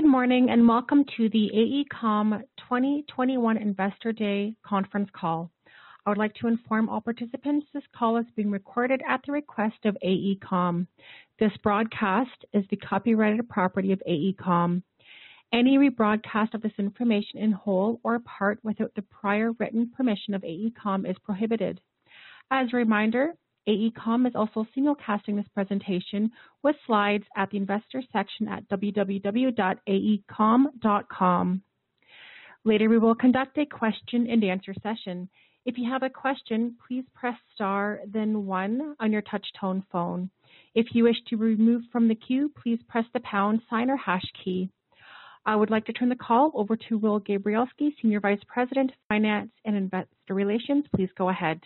Good morning, and welcome to the AECOM 2021 Investor Day conference call. I would like to inform all participants this call is being recorded at the request of AECOM. This broadcast is the copyrighted property of AECOM. Any rebroadcast of this information in whole or part without the prior written permission of AECOM is prohibited. As a reminder, AECOM is also simulcasting this presentation with slides at the investor section at www.aecom.com. Later, we will conduct a question and answer session. I would like to turn the call over to Will Gabrielski, Senior Vice President of Finance and Investor Relations. Please go ahead.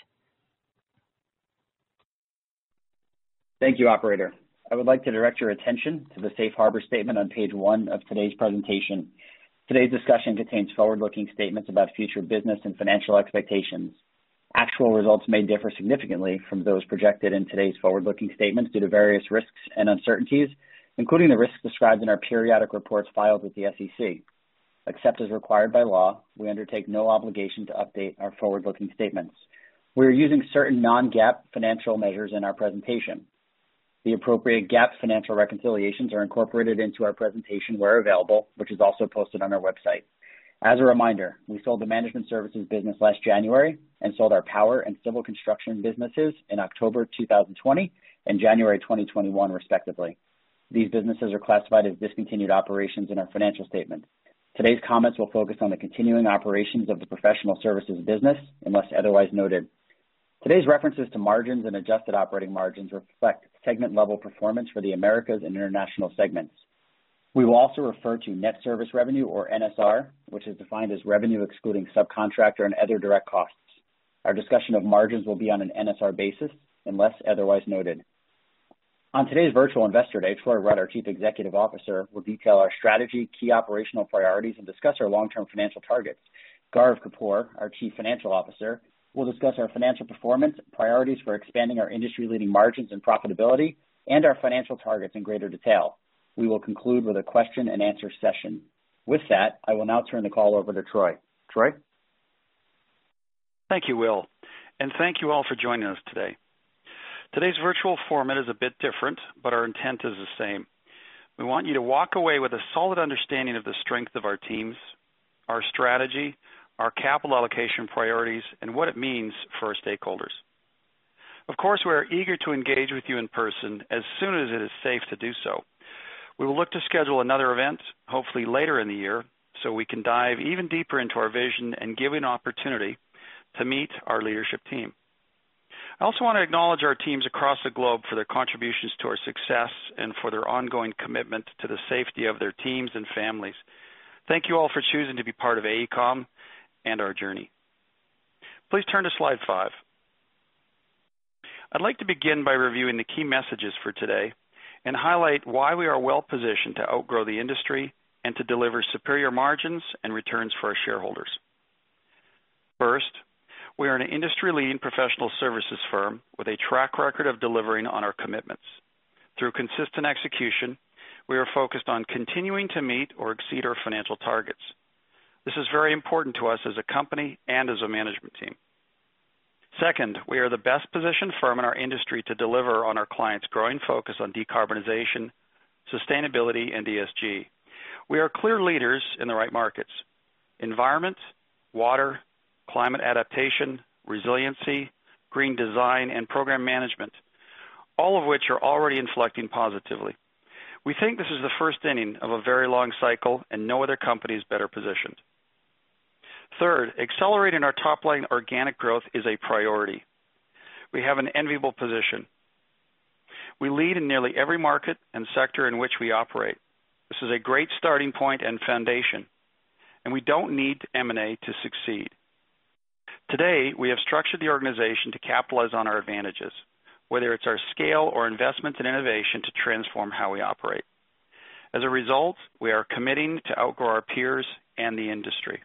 Thank you, operator. I would like to direct your attention to the safe harbor statement on page one of today's presentation. Today's discussion contains forward-looking statements about future business and financial expectations. Actual results may differ significantly from those projected in today's forward-looking statements due to various risks and uncertainties, including the risks described in our periodic reports filed with the SEC. Except as required by law, we undertake no obligation to update our forward-looking statements. We are using certain non-GAAP financial measures in our presentation. The appropriate GAAP financial reconciliations are incorporated into our presentation where available, which is also posted on our website. As a reminder, we sold the management services business last January and sold our power and civil construction businesses in October 2020 and January 2021, respectively. These businesses are classified as discontinued operations in our financial statements. Today's comments will focus on the continuing operations of the professional services business, unless otherwise noted. Today's references to margins and adjusted operating margins reflect segment-level performance for the Americas and International segments. We will also refer to net service revenue or NSR, which is defined as revenue excluding subcontractor and other direct costs. Our discussion of margins will be on an NSR basis unless otherwise noted. On today's virtual Investor Day, Troy Rudd, our Chief Executive Officer, will detail our strategy, key operational priorities, and discuss our long-term financial targets. Gaurav Kapoor, our Chief Financial Officer, will discuss our financial performance, priorities for expanding our industry-leading margins and profitability, and our financial targets in greater detail. We will conclude with a question and answer session. With that, I will now turn the call over to Troy Rudd. Troy? Thank you, Will Gabrielski, and thank you all for joining us today. Today's virtual format is a bit different, but our intent is the same. We want you to walk away with a solid understanding of the strength of our teams, our strategy, our capital allocation priorities, and what it means for our stakeholders. Of course, we are eager to engage with you in person as soon as it is safe to do so. We will look to schedule another event, hopefully later in the year, so we can dive even deeper into our vision and give you an opportunity to meet our leadership team. I also want to acknowledge our teams across the globe for their contributions to our success and for their ongoing commitment to the safety of their teams and families. Thank you all for choosing to be part of AECOM and our journey. Please turn to slide five. I'd like to begin by reviewing the key messages for today and highlight why we are well-positioned to outgrow the industry and to deliver superior margins and returns for our shareholders. First, we are an industry-leading professional services firm with a track record of delivering on our commitments. Through consistent execution, we are focused on continuing to meet or exceed our financial targets. This is very important to us as a company and as a management team. Second, we are the best-positioned firm in our industry to deliver on our clients' growing focus on decarbonization, sustainability, and ESG. We are clear leaders in the right markets: environment, water, climate adaptation, resiliency, green design, and program management, all of which are already inflecting positively. We think this is the first inning of a very long cycle, and no other company is better positioned. Third, accelerating our top-line organic growth is a priority. We have an enviable position. We lead in nearly every market and sector in which we operate. This is a great starting point and foundation, and we don't need M&A to succeed. Today, we have structured the organization to capitalize on our advantages, whether it's our scale or investments in innovation to transform how we operate. As a result, we are committing to outgrow our peers and the industry.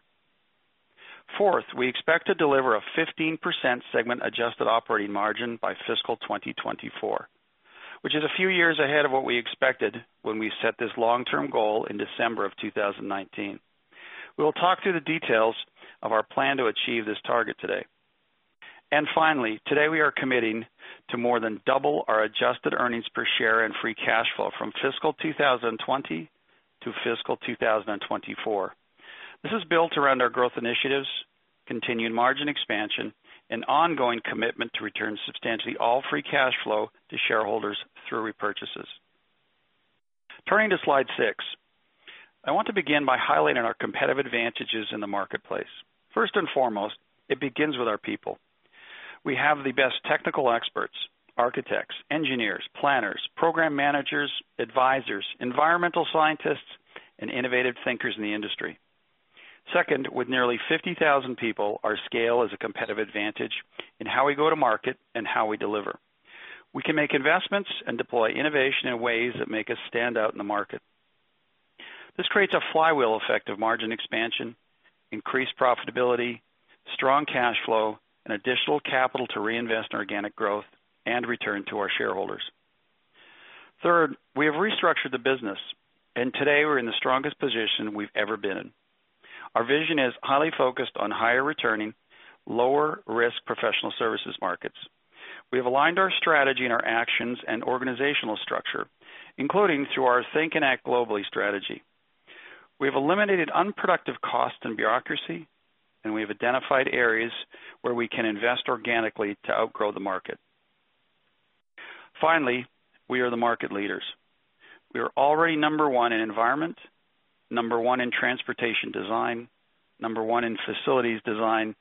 Fourth, we expect to deliver a 15% segment adjusted operating margin by fiscal 2024, which is a few years ahead of what we expected when we set this long-term goal in December of 2019. We will talk through the details of our plan to achieve this target today. Finally, today we are committing to more than double our adjusted earnings per share and free cash flow from fiscal 2020 to fiscal 2024. This is built around our growth initiatives, continued margin expansion, and ongoing commitment to return substantially all free cash flow to shareholders through repurchases. Turning to slide six, I want to begin by highlighting our competitive advantages in the marketplace. First and foremost, it begins with our people. We have the best technical experts, architects, engineers, planners, program managers, advisors, environmental scientists, and innovative thinkers in the industry. Second, with nearly 50,000 people, our scale is a competitive advantage in how we go to market and how we deliver. We can make investments and deploy innovation in ways that make us stand out in the market. This creates a flywheel effect of margin expansion, increased profitability. Strong cash flow and additional capital to reinvest in organic growth and return to our shareholders. Third, we have restructured the business, Today we're in the strongest position we've ever been in. Our vision is highly focused on higher returning, lower risk professional services markets. We have aligned our strategy and our actions and organizational structure, including through our Think and Act Globally strategy. We have eliminated unproductive cost and bureaucracy, We have identified areas where we can invest organically to outgrow the market. Finally, we are the market leaders. We are already number one in environment, number one in transportation design, number one in facilities design,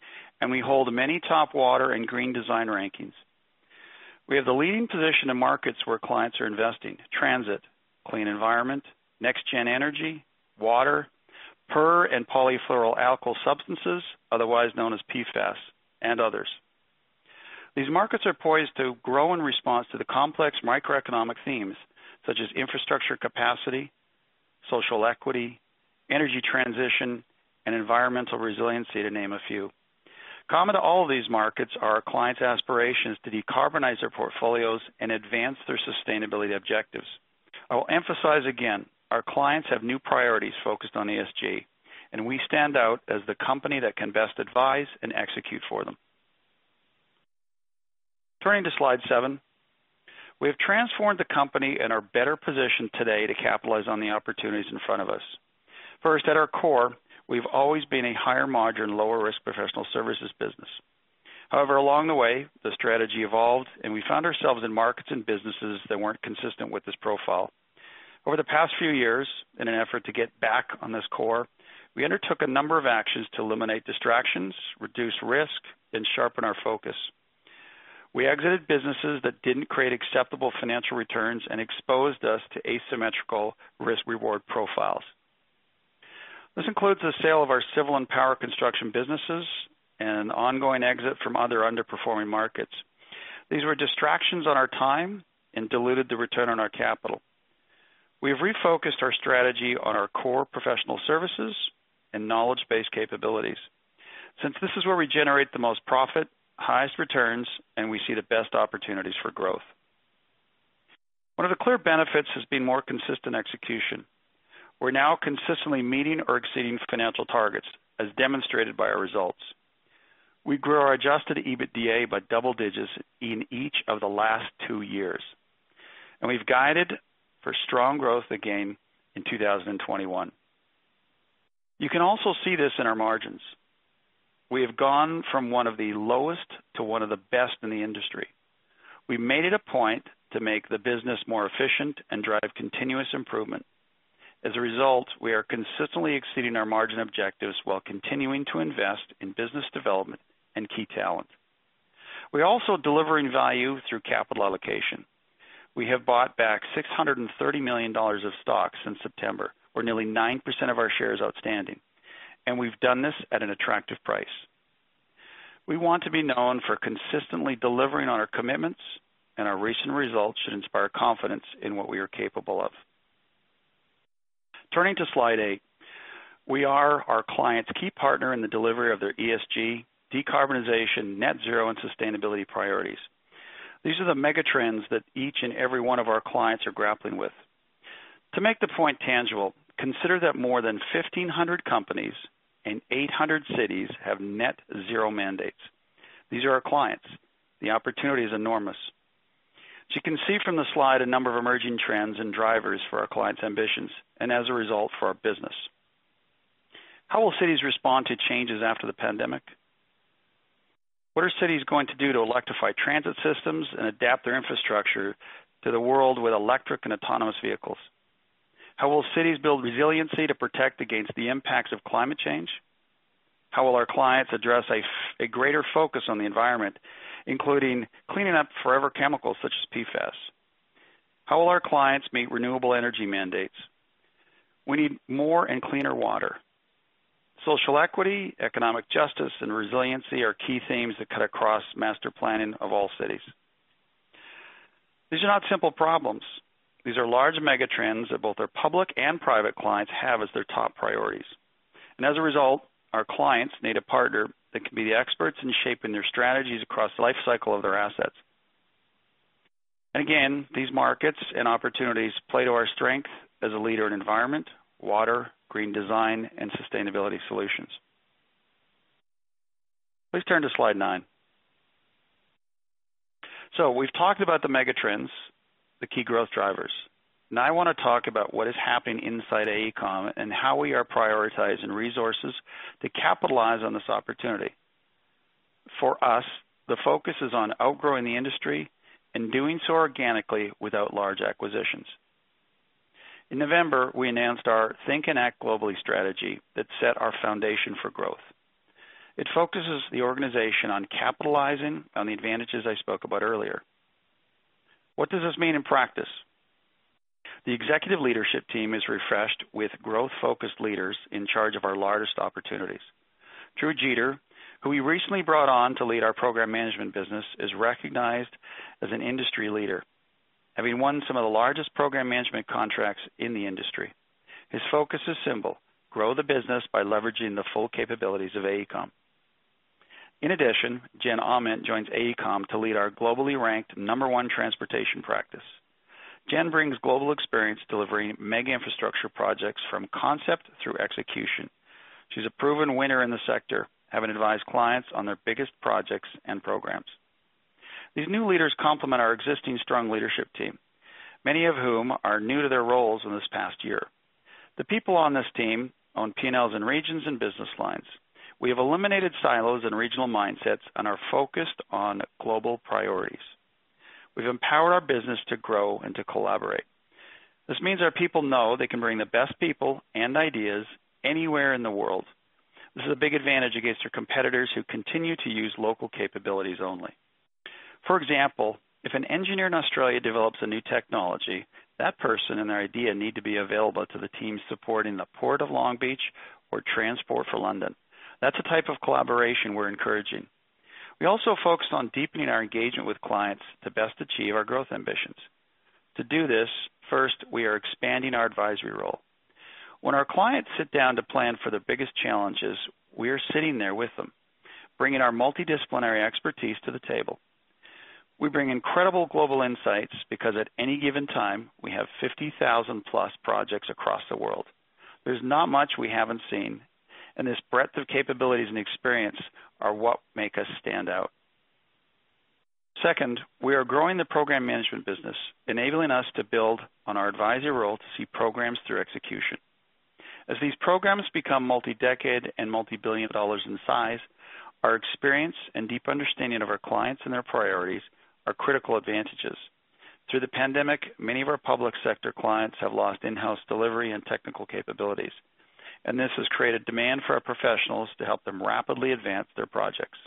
We hold many top water and green design rankings. We have the leading position in markets where clients are investing: transit, clean environment, next-gen energy, water, per- and polyfluoroalkyl substances, otherwise known as PFAS, and others. These markets are poised to grow in response to the complex macroeconomic themes such as infrastructure capacity, social equity, energy transition, and environmental resiliency, to name a few. Common to all of these markets are our clients' aspirations to decarbonize their portfolios and advance their sustainability objectives. I will emphasize again, our clients have new priorities focused on ESG, and we stand out as the company that can best advise and execute for them. Turning to slide seven. We have transformed the company and are better positioned today to capitalize on the opportunities in front of us. First, at our core, we've always been a higher margin, lower risk professional services business. However, along the way, the strategy evolved, and we found ourselves in markets and businesses that weren't consistent with this profile. Over the past few years, in an effort to get back on this core, we undertook a number of actions to eliminate distractions, reduce risk, and sharpen our focus. We exited businesses that didn't create acceptable financial returns and exposed us to asymmetrical risk-reward profiles. This includes the sale of our civil and power construction businesses and an ongoing exit from other underperforming markets. These were distractions on our time and diluted the return on our capital. We have refocused our strategy on our core professional services and knowledge-based capabilities since this is where we generate the most profit, highest returns, and we see the best opportunities for growth. One of the clear benefits has been more consistent execution. We're now consistently meeting or exceeding financial targets, as demonstrated by our results. We grew our adjusted EBITDA by double digits in each of the last two years, and we've guided for strong growth again in 2021. You can also see this in our margins. We have gone from one of the lowest to one of the best in the industry. We made it a point to make the business more efficient and drive continuous improvement. As a result, we are consistently exceeding our margin objectives while continuing to invest in business development and key talent. We are also delivering value through capital allocation. We have bought back $630 million of stock since September, or nearly 9% of our shares outstanding, and we've done this at an attractive price. We want to be known for consistently delivering on our commitments. Our recent results should inspire confidence in what we are capable of. Turning to slide eight. We are our clients' key partner in the delivery of their ESG, decarbonization, net zero, and sustainability priorities. These are the megatrends that each and every one of our clients are grappling with. To make the point tangible, consider that more than 1,500 companies and 800 cities have net zero mandates. These are our clients. The opportunity is enormous. As you can see from the slide, a number of emerging trends and drivers for our clients' ambitions and, as a result, for our business. How will cities respond to changes after the pandemic? What are cities going to do to electrify transit systems and adapt their infrastructure to the world with electric and autonomous vehicles? How will cities build resiliency to protect against the impacts of climate change? How will our clients address a greater focus on the environment, including cleaning up forever chemicals such as PFAS? How will our clients meet renewable energy mandates? We need more and cleaner water. Social equity, economic justice, and resiliency are key themes that cut across master planning of all cities. These are not simple problems. These are large megatrends that both our public and private clients have as their top priorities. As a result, our clients need a partner that can be the experts in shaping their strategies across the life cycle of their assets. Again, these markets and opportunities play to our strength as a leader in environment, water, green design, and sustainability solutions. Please turn to slide nine. We've talked about the megatrends, the key growth drivers. Now I want to talk about what is happening inside AECOM and how we are prioritizing resources to capitalize on this opportunity. For us, the focus is on outgrowing the industry and doing so organically without large acquisitions. In November, we announced our Think and Act Globally strategy that set our foundation for growth. It focuses the organization on capitalizing on the advantages I spoke about earlier. What does this mean in practice? The executive leadership team is refreshed with growth-focused leaders in charge of our largest opportunities. Drew Jeter, who we recently brought on to lead our program management business, is recognized as an industry leader, having won some of the largest program management contracts in the industry. His focus is simple: grow the business by leveraging the full capabilities of AECOM. In addition, Jennifer Aument joins AECOM to lead our globally ranked number one transportation practice. Jen brings global experience delivering mega infrastructure projects from concept through execution. She's a proven winner in the sector, having advised clients on their biggest projects and programs. These new leaders complement our existing strong leadership team, many of whom are new to their roles in this past year. The people on this team own P&Ls in regions and business lines. We have eliminated silos and regional mindsets and are focused on global priorities. We've empowered our business to grow and to collaborate. This means our people know they can bring the best people and ideas anywhere in the world. This is a big advantage against our competitors who continue to use local capabilities only. For example, if an engineer in Australia develops a new technology, that person and their idea need to be available to the team supporting the Port of Long Beach or Transport for London. That's the type of collaboration we're encouraging. We also focus on deepening our engagement with clients to best achieve our growth ambitions. To do this, first, we are expanding our advisory role. When our clients sit down to plan for their biggest challenges, we are sitting there with them, bringing our multidisciplinary expertise to the table. We bring incredible global insights because at any given time, we have 50,000+ projects across the world. There's not much we haven't seen, and this breadth of capabilities and experience are what make us stand out. Second, we are growing the Program Management business, enabling us to build on our advisory role to see programs through execution. As these programs become multi-decade and multi-billion dollars in size, our experience and deep understanding of our clients and their priorities are critical advantages. Through the pandemic, many of our public sector clients have lost in-house delivery and technical capabilities, and this has created demand for our professionals to help them rapidly advance their projects.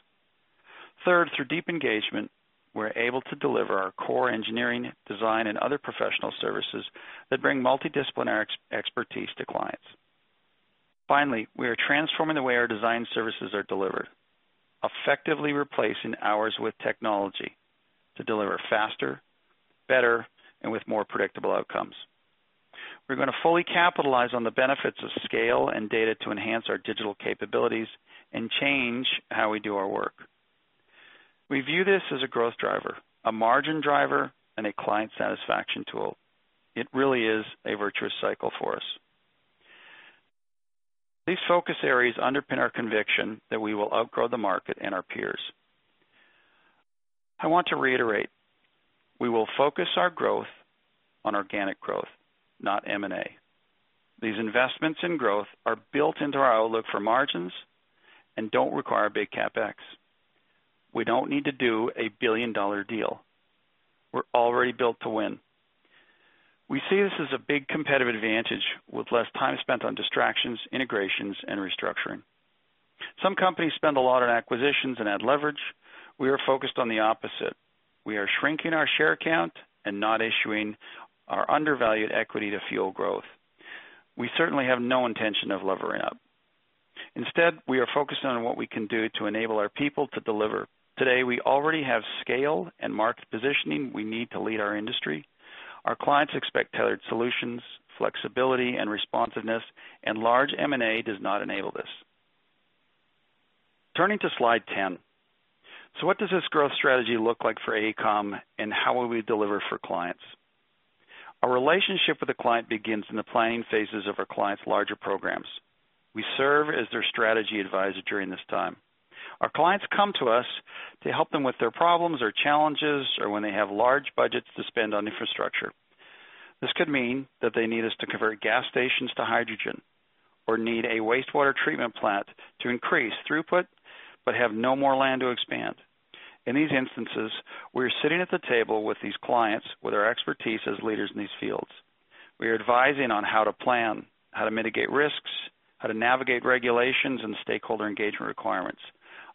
Third, through deep engagement, we're able to deliver our core engineering, design, and other professional services that bring multidisciplinary expertise to clients. Finally, we are transforming the way our design services are delivered, effectively replacing hours with technology to deliver faster, better, and with more predictable outcomes. We're going to fully capitalize on the benefits of scale and data to enhance our digital capabilities and change how we do our work. We view this as a growth driver, a margin driver, and a client satisfaction tool. It really is a virtuous cycle for us. These focus areas underpin our conviction that we will outgrow the market and our peers. I want to reiterate, we will focus our growth on organic growth, not M&A. These investments in growth are built into our outlook for margins and don't require big CapEx. We don't need to do a billion-dollar deal. We're already built to win. We see this as a big competitive advantage with less time spent on distractions, integrations, and restructuring. Some companies spend a lot on acquisitions and add leverage. We are focused on the opposite. We are shrinking our share count and not issuing our undervalued equity to fuel growth. We certainly have no intention of levering up. Instead, we are focused on what we can do to enable our people to deliver. Today, we already have scale and market positioning we need to lead our industry. Our clients expect tailored solutions, flexibility, and responsiveness, and large M&A does not enable this. Turning to slide 10. What does this growth strategy look like for AECOM, and how will we deliver for clients? Our relationship with the client begins in the planning phases of our clients' larger programs. We serve as their strategy advisor during this time. Our clients come to us to help them with their problems or challenges, or when they have large budgets to spend on infrastructure. This could mean that they need us to convert gas stations to hydrogen or need a wastewater treatment plant to increase throughput, but have no more land to expand. In these instances, we're sitting at the table with these clients with our expertise as leaders in these fields. We are advising on how to plan, how to mitigate risks, how to navigate regulations and stakeholder engagement requirements,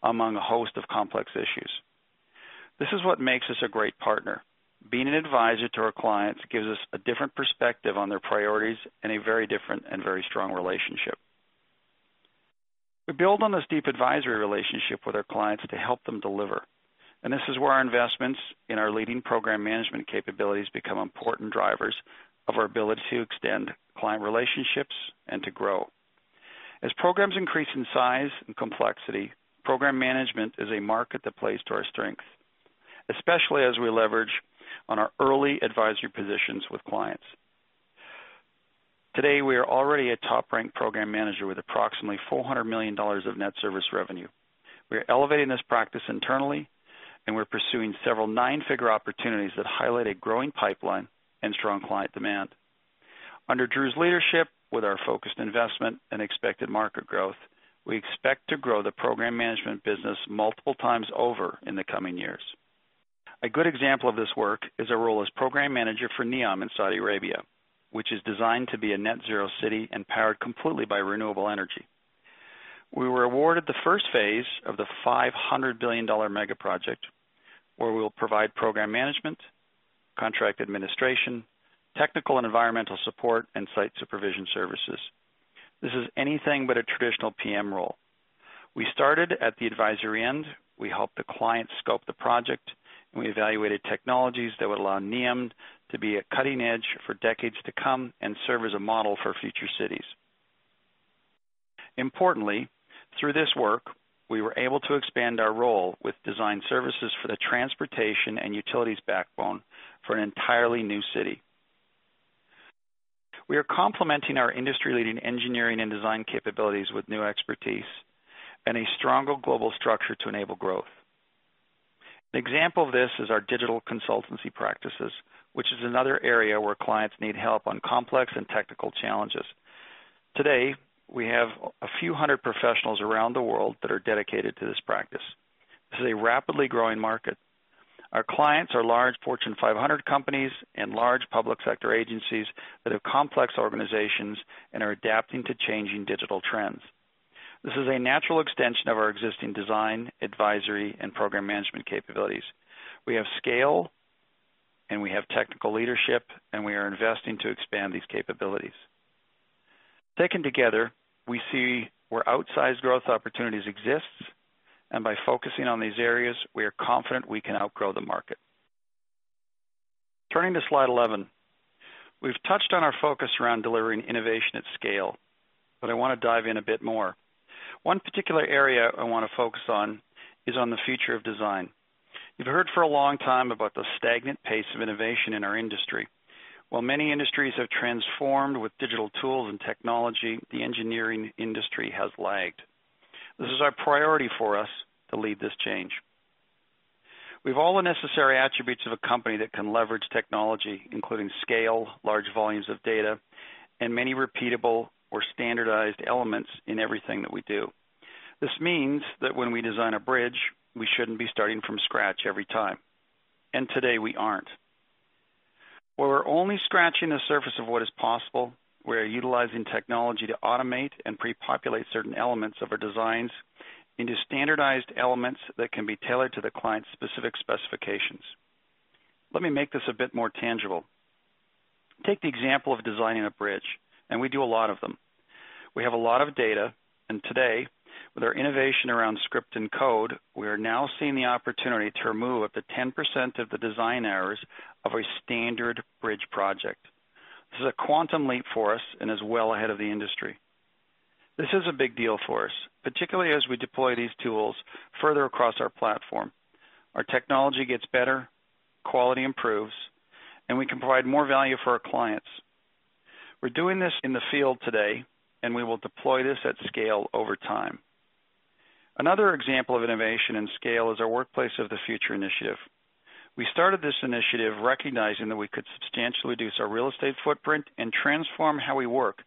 among a host of complex issues. This is what makes us a great partner. Being an advisor to our clients gives us a different perspective on their priorities and a very different and very strong relationship. We build on this deep advisory relationship with our clients to help them deliver. This is where our investments in our leading program management capabilities become important drivers of our ability to extend client relationships and to grow. As programs increase in size and complexity, program management is a market that plays to our strength, especially as we leverage on our early advisory positions with clients. Today, we are already a top-ranked program manager with approximately $400 million of net service revenue. We are elevating this practice internally, and we're pursuing several nine-figure opportunities that highlight a growing pipeline and strong client demand. Under Drew's leadership, with our focused investment and expected market growth, we expect to grow the program management business multiple times over in the coming years. A good example of this work is our role as program manager for NEOM in Saudi Arabia, which is designed to be a net zero city and powered completely by renewable energy. We were awarded the first phase of the $500 billion mega project, where we will provide program management, contract administration, technical and environmental support, and site supervision services. This is anything but a traditional PM role. We started at the advisory end. We helped the client scope the project, and we evaluated technologies that would allow NEOM to be cutting-edge for decades to come and serve as a model for future cities. Importantly, through this work, we were able to expand our role with design services for the transportation and utilities backbone for an entirely new city. We are complementing our industry-leading engineering and design capabilities with new expertise and a stronger global structure to enable growth. An example of this is our digital consultancy practices, which is another area where clients need help on complex and technical challenges. Today, we have a few hundred professionals around the world that are dedicated to this practice. This is a rapidly growing market. Our clients are large Fortune 500 companies and large public sector agencies that have complex organizations and are adapting to changing digital trends. This is a natural extension of our existing design, advisory, and program management capabilities. We have scale and we have technical leadership, and we are investing to expand these capabilities. Taken together, we see where outsized growth opportunities exist, and by focusing on these areas, we are confident we can outgrow the market. Turning to slide 11. We've touched on our focus around delivering innovation at scale, but I want to dive in a bit more. One particular area I want to focus on is on the future of design. You've heard for a long time about the stagnant pace of innovation in our industry. While many industries have transformed with digital tools and technology, the engineering industry has lagged. This is our priority for us to lead this change. We have all the necessary attributes of a company that can leverage technology, including scale, large volumes of data, and many repeatable or standardized elements in everything that we do. This means that when we design a bridge, we shouldn't be starting from scratch every time. Today we aren't. While we're only scratching the surface of what is possible, we are utilizing technology to automate and pre-populate certain elements of our designs into standardized elements that can be tailored to the client's specific specifications. Let me make this a bit more tangible. Take the example of designing a bridge, and we do a lot of them. We have a lot of data, and today, with our innovation around script and code, we are now seeing the opportunity to remove up to 10% of the design errors of a standard bridge project. This is a quantum leap for us and is well ahead of the industry. This is a big deal for us, particularly as we deploy these tools further across our platform. Our technology gets better, quality improves, and we can provide more value for our clients. We're doing this in the field today, and we will deploy this at scale over time. Another example of innovation and scale is our Workplace of the Future initiative. We started this initiative recognizing that we could substantially reduce our real estate footprint and transform how we work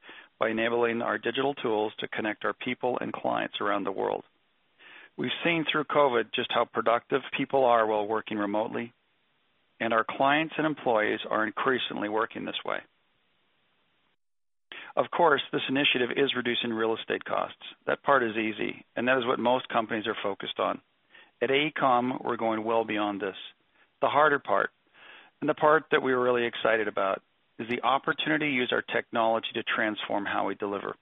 by enabling our digital tools to connect our people and clients around the world. We've seen through COVID just how productive people are while working remotely, and our clients and employees are increasingly working this way. Of course, this initiative is reducing real estate costs. That part is easy, and that is what most companies are focused on. At AECOM, we're going well beyond this. The harder part, and the part that we are really excited about, is the opportunity to use our technology to transform how we deliver.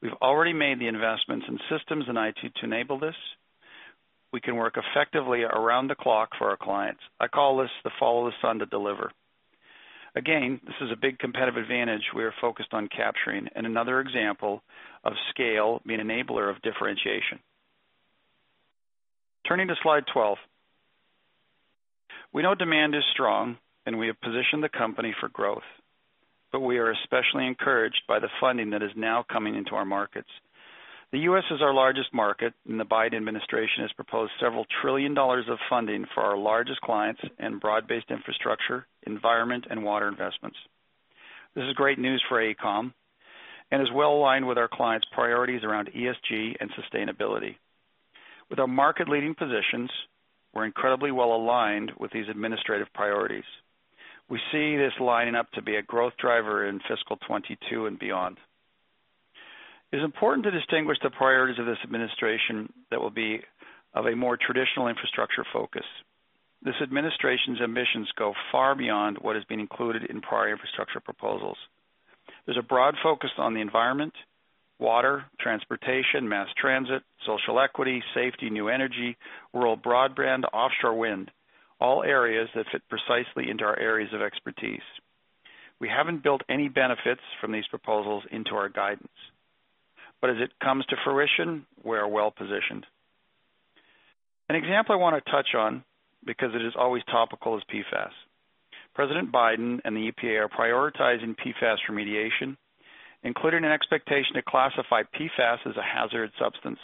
We've already made the investments in systems and IT to enable this. We can work effectively around the clock for our clients. I call this the follow the sun to deliver. Again, this is a big competitive advantage we are focused on capturing and another example of scale being an enabler of differentiation. Turning to slide 12. We know demand is strong, and we have positioned the company for growth, but we are especially encouraged by the funding that is now coming into our markets. The U.S. is our largest market, and the Biden administration has proposed several trillion dollars of funding for our largest clients in broad-based infrastructure, environment, and water investments. This is great news for AECOM and is well aligned with our clients' priorities around ESG and sustainability. With our market-leading positions, we're incredibly well aligned with these administrative priorities. We see this lining up to be a growth driver in fiscal 2022 and beyond. It is important to distinguish the priorities of this administration that will be of a more traditional infrastructure focus. This administration's ambitions go far beyond what has been included in prior infrastructure proposals. There's a broad focus on the environment, water, transportation, mass transit, social equity, safety, new energy, rural broadband, offshore wind, all areas that fit precisely into our areas of expertise. We haven't built any benefits from these proposals into our guidance, but as it comes to fruition, we are well-positioned. An example I want to touch on, because it is always topical, is PFAS. President Biden and the EPA are prioritizing PFAS remediation, including an expectation to classify PFAS as a hazardous substance,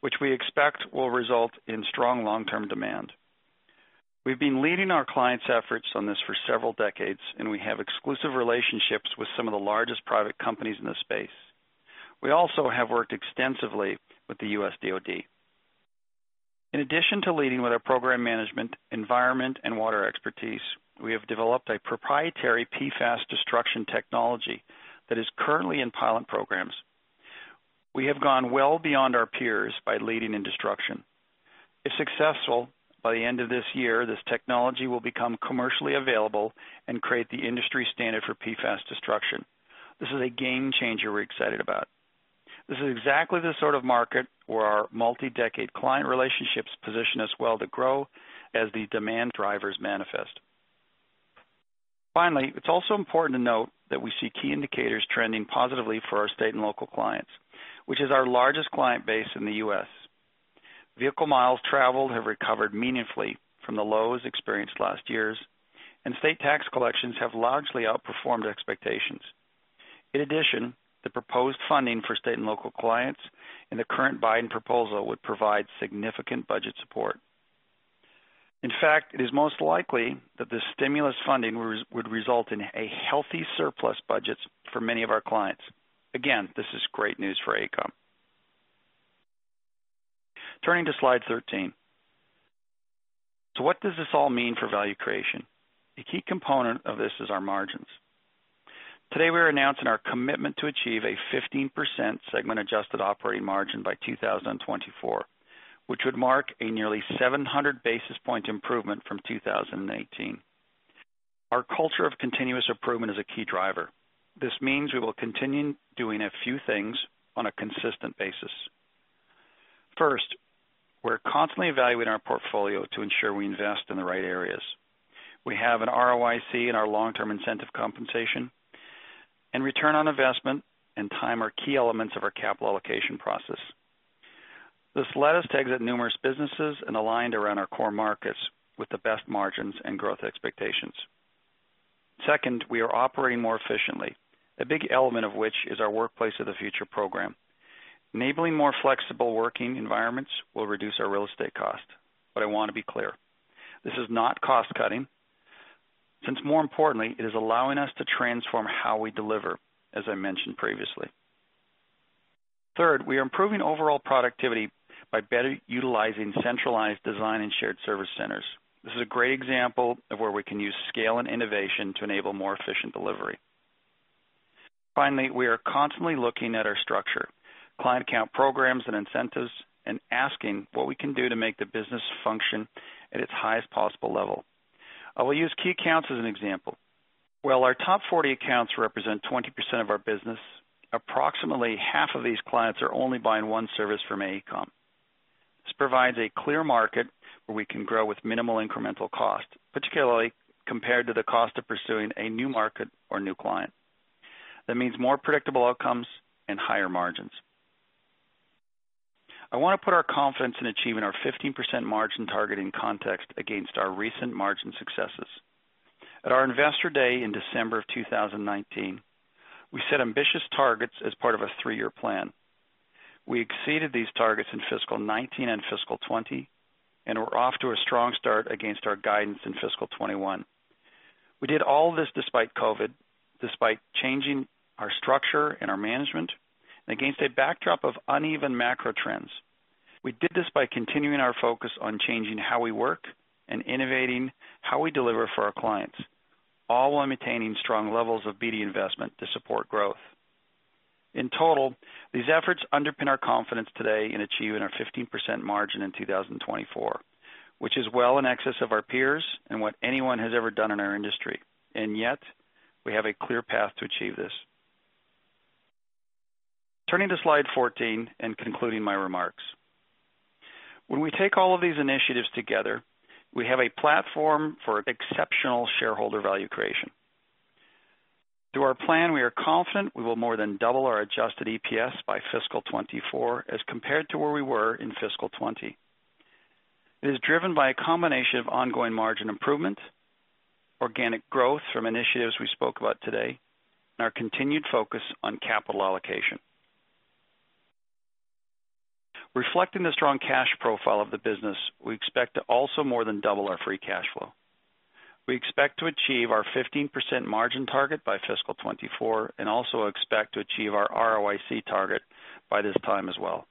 which we expect will result in strong long-term demand. We've been leading our clients' efforts on this for several decades, and we have exclusive relationships with some of the largest private companies in this space. We also have worked extensively with the U.S. DoD. In addition to leading with our program management, environment, and water expertise, we have developed a proprietary PFAS destruction technology that is currently in pilot programs. We have gone well beyond our peers by leading in destruction. If successful, by the end of this year, this technology will become commercially available and create the industry standard for PFAS destruction. This is a game changer we're excited about. This is exactly the sort of market where our multi-decade client relationships position us well to grow as the demand drivers manifest. Finally, it's also important to note that we see key indicators trending positively for our state and local clients, which is our largest client base in the U.S. State tax collections have largely outperformed expectations. In addition, the proposed funding for state and local clients in the current Biden proposal would provide significant budget support. In fact, it is most likely that the stimulus funding would result in a healthy surplus budgets for many of our clients. Again, this is great news for AECOM. Turning to slide 13. What does this all mean for value creation? A key component of this is our margins. Today, we're announcing our commitment to achieve a 15% segment adjusted operating margin by 2024, which would mark a nearly 700 basis point improvement from 2018. Our culture of continuous improvement is a key driver. This means we will continue doing a few things on a consistent basis. First, we're constantly evaluating our portfolio to ensure we invest in the right areas. We have an ROIC in our long-term incentive compensation, and return on investment and time are key elements of our capital allocation process. This led us to exit numerous businesses and aligned around our core markets with the best margins and growth expectations. Second, we are operating more efficiently, a big element of which is our Workplace of the Future program. Enabling more flexible working environments will reduce our real estate cost. I want to be clear, this is not cost-cutting, since more importantly, it is allowing us to transform how we deliver, as I mentioned previously. Third, we are improving overall productivity by better utilizing centralized design and shared service centers. This is a great example of where we can use scale and innovation to enable more efficient delivery. We are constantly looking at our structure, client account programs and incentives, and asking what we can do to make the business function at its highest possible level. I will use key accounts as an example. While our top 40 accounts represent 20% of our business, approximately half of these clients are only buying one service from AECOM. This provides a clear market where we can grow with minimal incremental cost, particularly compared to the cost of pursuing a new market or new client. That means more predictable outcomes and higher margins. I want to put our confidence in achieving our 15% margin target in context against our recent margin successes. At our Investor Day in December of 2019, we set ambitious targets as part of a three-year plan. We exceeded these targets in fiscal 2019 and fiscal 2020. We're off to a strong start against our guidance in fiscal 2021. We did all this despite COVID, despite changing our structure and our management. Against a backdrop of uneven macro trends. We did this by continuing our focus on changing how we work and innovating how we deliver for our clients, all while maintaining strong levels of BD investment to support growth. In total, these efforts underpin our confidence today in achieving our 15% margin in 2024, which is well in excess of our peers and what anyone has ever done in our industry. Yet, we have a clear path to achieve this. Turning to slide 14 and concluding my remarks. When we take all of these initiatives together, we have a platform for exceptional shareholder value creation. Through our plan, we are confident we will more than double our adjusted EPS by fiscal 2024 as compared to where we were in fiscal 2020. It is driven by a combination of ongoing margin improvement, organic growth from initiatives we spoke about today, and our continued focus on capital allocation. Reflecting the strong cash profile of the business, we expect to also more than double our free cash flow. We expect to achieve our 15% margin target by fiscal 2024 and also expect to achieve our ROIC target by this time as well.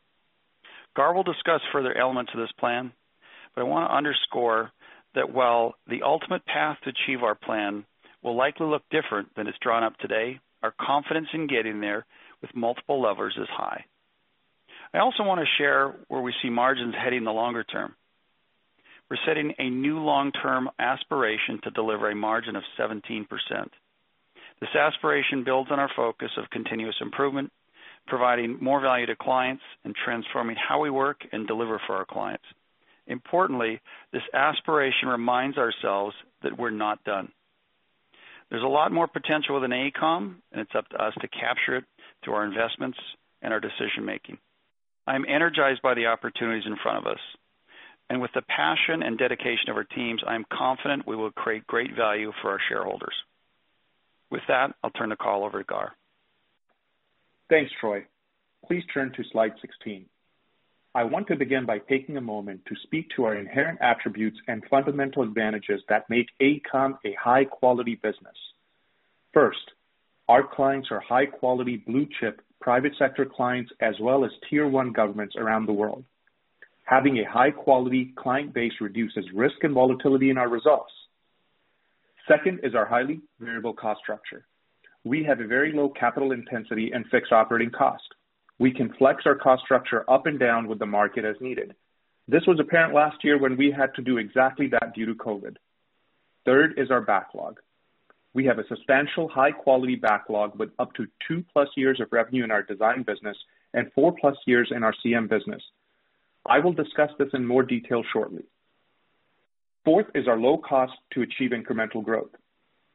Gaurav will discuss further elements of this plan, but I want to underscore that while the ultimate path to achieve our plan will likely look different than is drawn up today, our confidence in getting there with multiple levers is high. I also want to share where we see margins heading in the longer term. We're setting a new long-term aspiration to deliver a margin of 17%. This aspiration builds on our focus of continuous improvement, providing more value to clients, and transforming how we work and deliver for our clients. Importantly, this aspiration reminds ourselves that we're not done. There's a lot more potential within AECOM, and it's up to us to capture it through our investments and our decision-making. I am energized by the opportunities in front of us. With the passion and dedication of our teams, I am confident we will create great value for our shareholders. With that, I'll turn the call over to Gaurav. Thanks, Troy. Please turn to slide 16. I want to begin by taking a moment to speak to our inherent attributes and fundamental advantages that make AECOM a high-quality business. First, our clients are high-quality Blue-Chip private sector clients, as well as tier one governments around the world. Having a high-quality client base reduces risk and volatility in our results. Second is our highly variable cost structure. We have a very low capital intensity and fixed operating cost. We can flex our cost structure up and down with the market as needed. This was apparent last year when we had to do exactly that due to COVID. Third is our backlog. We have a substantial high-quality backlog with up to two plus years of revenue in our design business and four plus years in our CM business. I will discuss this in more detail shortly. Fourth is our low cost to achieve incremental growth.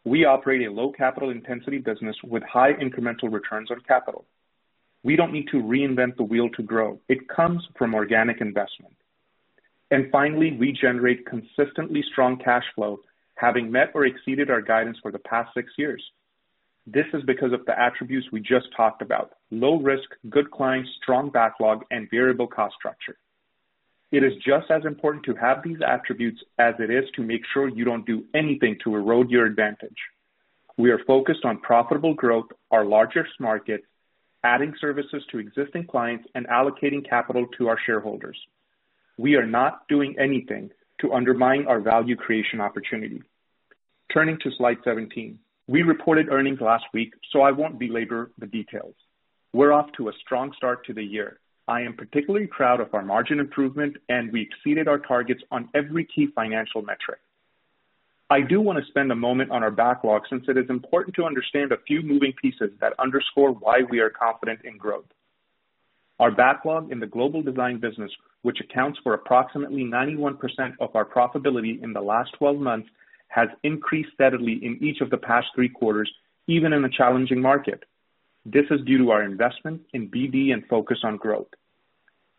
We operate a low capital intensity business with high incremental returns on capital. We don't need to reinvent the wheel to grow. It comes from organic investment. Finally, we generate consistently strong cash flow, having met or exceeded our guidance for the past six years. This is because of the attributes we just talked about, low risk, good clients, strong backlog, and variable cost structure. It is just as important to have these attributes as it is to make sure you don't do anything to erode your advantage. We are focused on profitable growth, our largest markets, adding services to existing clients, and allocating capital to our shareholders. We are not doing anything to undermine our value creation opportunity. Turning to slide 17. We reported earnings last week, I won't belabor the details. We're off to a strong start to the year. I am particularly proud of our margin improvement, and we exceeded our targets on every key financial metric. I do want to spend a moment on our backlog since it is important to understand a few moving pieces that underscore why we are confident in growth. Our backlog in the global design business, which accounts for approximately 91% of our profitability in the last 12 months, has increased steadily in each of the past three quarters, even in a challenging market. This is due to our investment in BD and focus on growth.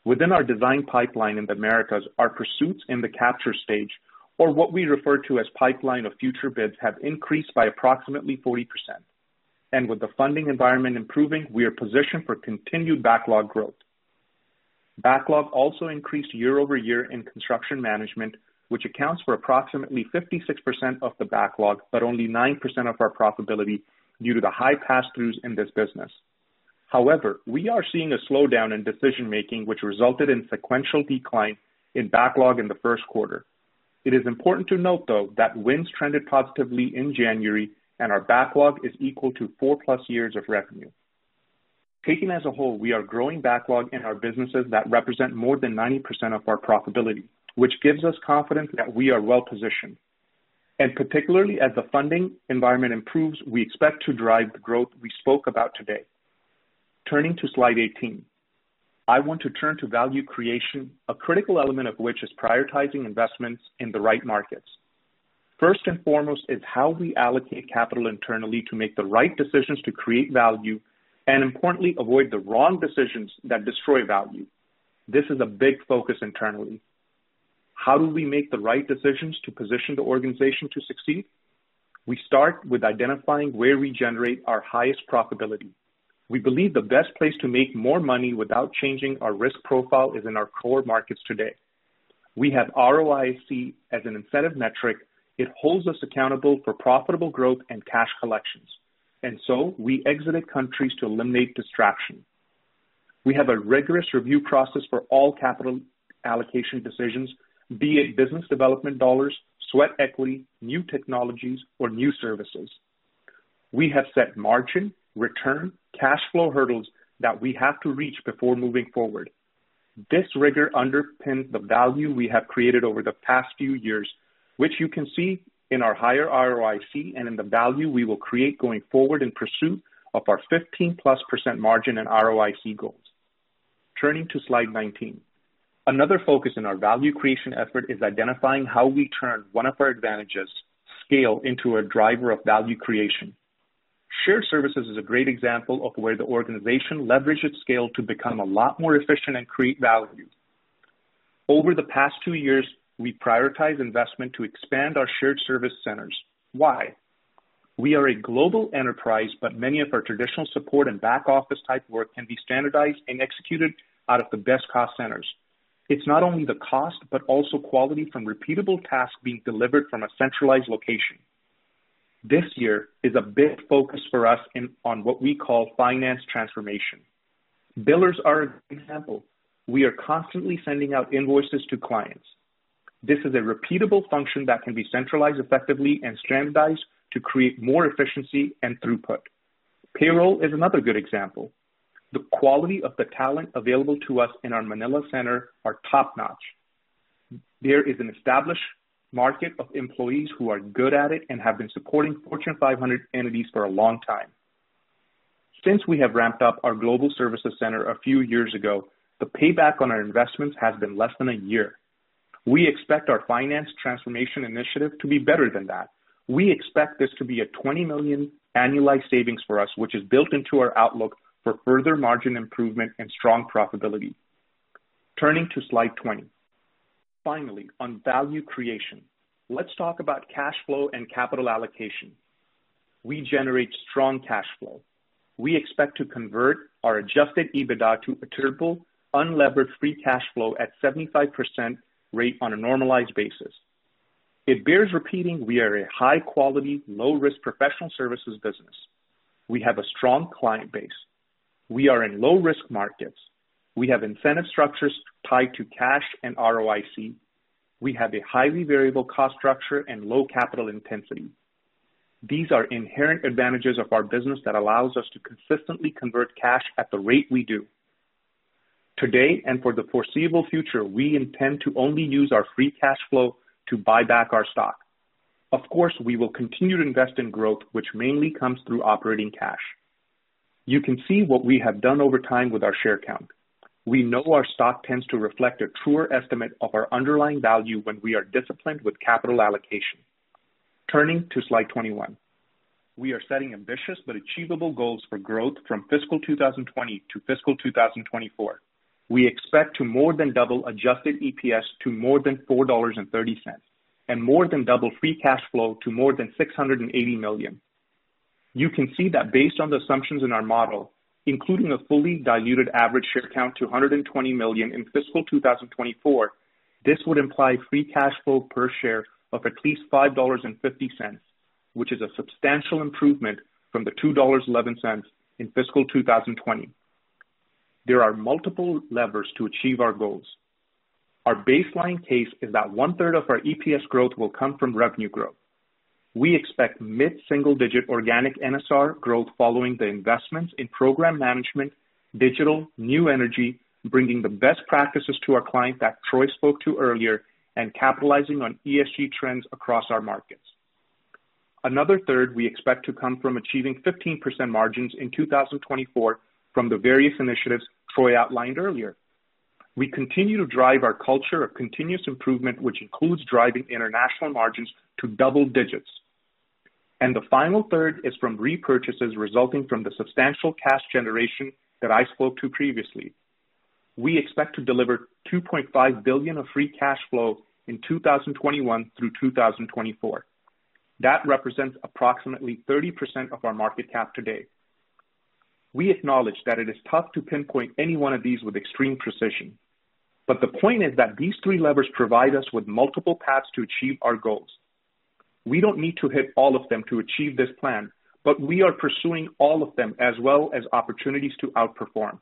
Within our design pipeline in the Americas, our pursuits in the capture stage, or what we refer to as pipeline of future bids, have increased by approximately 40%. With the funding environment improving, we are positioned for continued backlog growth. Backlog also increased year-over-year in construction management, which accounts for approximately 56% of the backlog, but only 9% of our profitability due to the high passthroughs in this business. However, we are seeing a slowdown in decision-making, which resulted in sequential decline in backlog in the first quarter. It is important to note, though, that wins trended positively in January, and our backlog is equal to four-plus years of revenue. Taken as a whole, we are growing backlog in our businesses that represent more than 90% of our profitability, which gives us confidence that we are well-positioned. Particularly as the funding environment improves, we expect to drive the growth we spoke about today. Turning to slide 18. I want to turn to value creation, a critical element of which is prioritizing investments in the right markets. First and foremost is how we allocate capital internally to make the right decisions to create value. Importantly, avoid the wrong decisions that destroy value. This is a big focus internally. How do we make the right decisions to position the organization to succeed? We start with identifying where we generate our highest profitability. We believe the best place to make more money without changing our risk profile is in our core markets today. We have ROIC as an incentive metric. It holds us accountable for profitable growth and cash collections. We exited countries to eliminate distraction. We have a rigorous review process for all capital allocation decisions, be it business development dollars, sweat equity, new technologies, or new services. We have set margin, return, cash flow hurdles that we have to reach before moving forward. This rigor underpins the value we have created over the past few years, which you can see in our higher ROIC and in the value we will create going forward in pursuit of our 15+% margin and ROIC goals. Turning to slide 19. Another focus in our value creation effort is identifying how we turn one of our advantages, scale, into a driver of value creation. Shared services is a great example of where the organization leveraged its scale to become a lot more efficient and create value. Over the past two years, we prioritized investment to expand our shared service centers. Why? Many of our traditional support and back office type work can be standardized and executed out of the best cost centers. It's not only the cost, but also quality from repeatable tasks being delivered from a centralized location. This year is a big focus for us on what we call Finance Transformation. Billers are a good example. We are constantly sending out invoices to clients. This is a repeatable function that can be centralized effectively and standardized to create more efficiency and throughput. Payroll is another good example. The quality of the talent available to us in our Manila center are top-notch. There is an established market of employees who are good at it and have been supporting Fortune 500 entities for a long time. Since we have ramped up our global services center a few years ago, the payback on our investments has been less than a year. We expect our Finance Transformation initiative to be better than that. We expect this to be a $20 million annualized savings for us, which is built into our outlook for further margin improvement and strong profitability. Turning to slide 20. Finally, on value creation, let's talk about cash flow and capital allocation. We generate strong cash flow. We expect to convert our adjusted EBITDA to attributable unlevered free cash flow at 75% rate on a normalized basis. It bears repeating, we are a high-quality, low-risk professional services business. We have a strong client base. We are in low-risk markets. We have incentive structures tied to cash and ROIC. We have a highly variable cost structure and low capital intensity. These are inherent advantages of our business that allows us to consistently convert cash at the rate we do. Today and for the foreseeable future, we intend to only use our free cash flow to buy back our stock. Of course, we will continue to invest in growth, which mainly comes through operating cash. You can see what we have done over time with our share count. We know our stock tends to reflect a truer estimate of our underlying value when we are disciplined with capital allocation. Turning to slide 21. We are setting ambitious but achievable goals for growth from fiscal 2020 to fiscal 2024. We expect to more than double adjusted EPS to more than $4.30 and more than double free cash flow to more than $680 million. You can see that based on the assumptions in our model, including a fully diluted average share count to 120 million in fiscal 2024, this would imply free cash flow per share of at least $5.50, which is a substantial improvement from the $2.11 in fiscal 2020. There are multiple levers to achieve our goals. Our baseline case is that one-third of our EPS growth will come from revenue growth. We expect mid-single-digit organic NSR growth following the investments in program management, digital, new energy, bringing the best practices to our client that Troy spoke to earlier, and capitalizing on ESG trends across our markets. Another third we expect to come from achieving 15% margins in 2024 from the various initiatives Troy outlined earlier. We continue to drive our culture of continuous improvement, which includes driving international margins to double digits. The final third is from repurchases resulting from the substantial cash generation that I spoke to previously. We expect to deliver $2.5 billion of free cash flow in 2021 through 2024. That represents approximately 30% of our market cap today. We acknowledge that it is tough to pinpoint any one of these with extreme precision, the point is that these three levers provide us with multiple paths to achieve our goals. We don't need to hit all of them to achieve this plan, but we are pursuing all of them, as well as opportunities to outperform.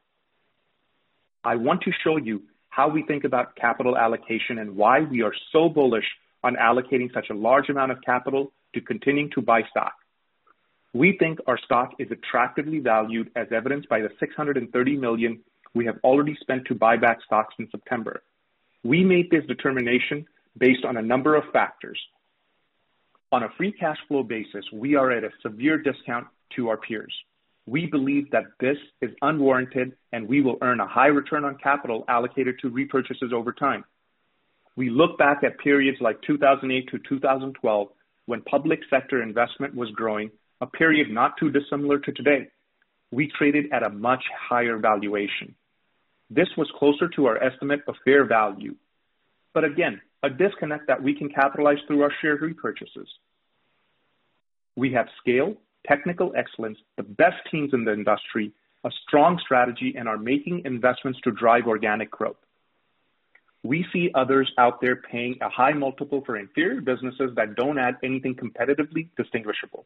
I want to show you how we think about capital allocation and why we are so bullish on allocating such a large amount of capital to continuing to buy stock. We think our stock is attractively valued, as evidenced by the $630 million we have already spent to buy back stocks in September. We made this determination based on a number of factors. On a free cash flow basis, we are at a severe discount to our peers. We believe that this is unwarranted, and we will earn a high return on capital allocated to repurchases over time. We look back at periods like 2008-2012, when public sector investment was growing, a period not too dissimilar to today. We traded at a much higher valuation. This was closer to our estimate of fair value. Again, a disconnect that we can capitalize through our share repurchases. We have scale, technical excellence, the best teams in the industry, a strong strategy, and are making investments to drive organic growth. We see others out there paying a high multiple for inferior businesses that don't add anything competitively distinguishable.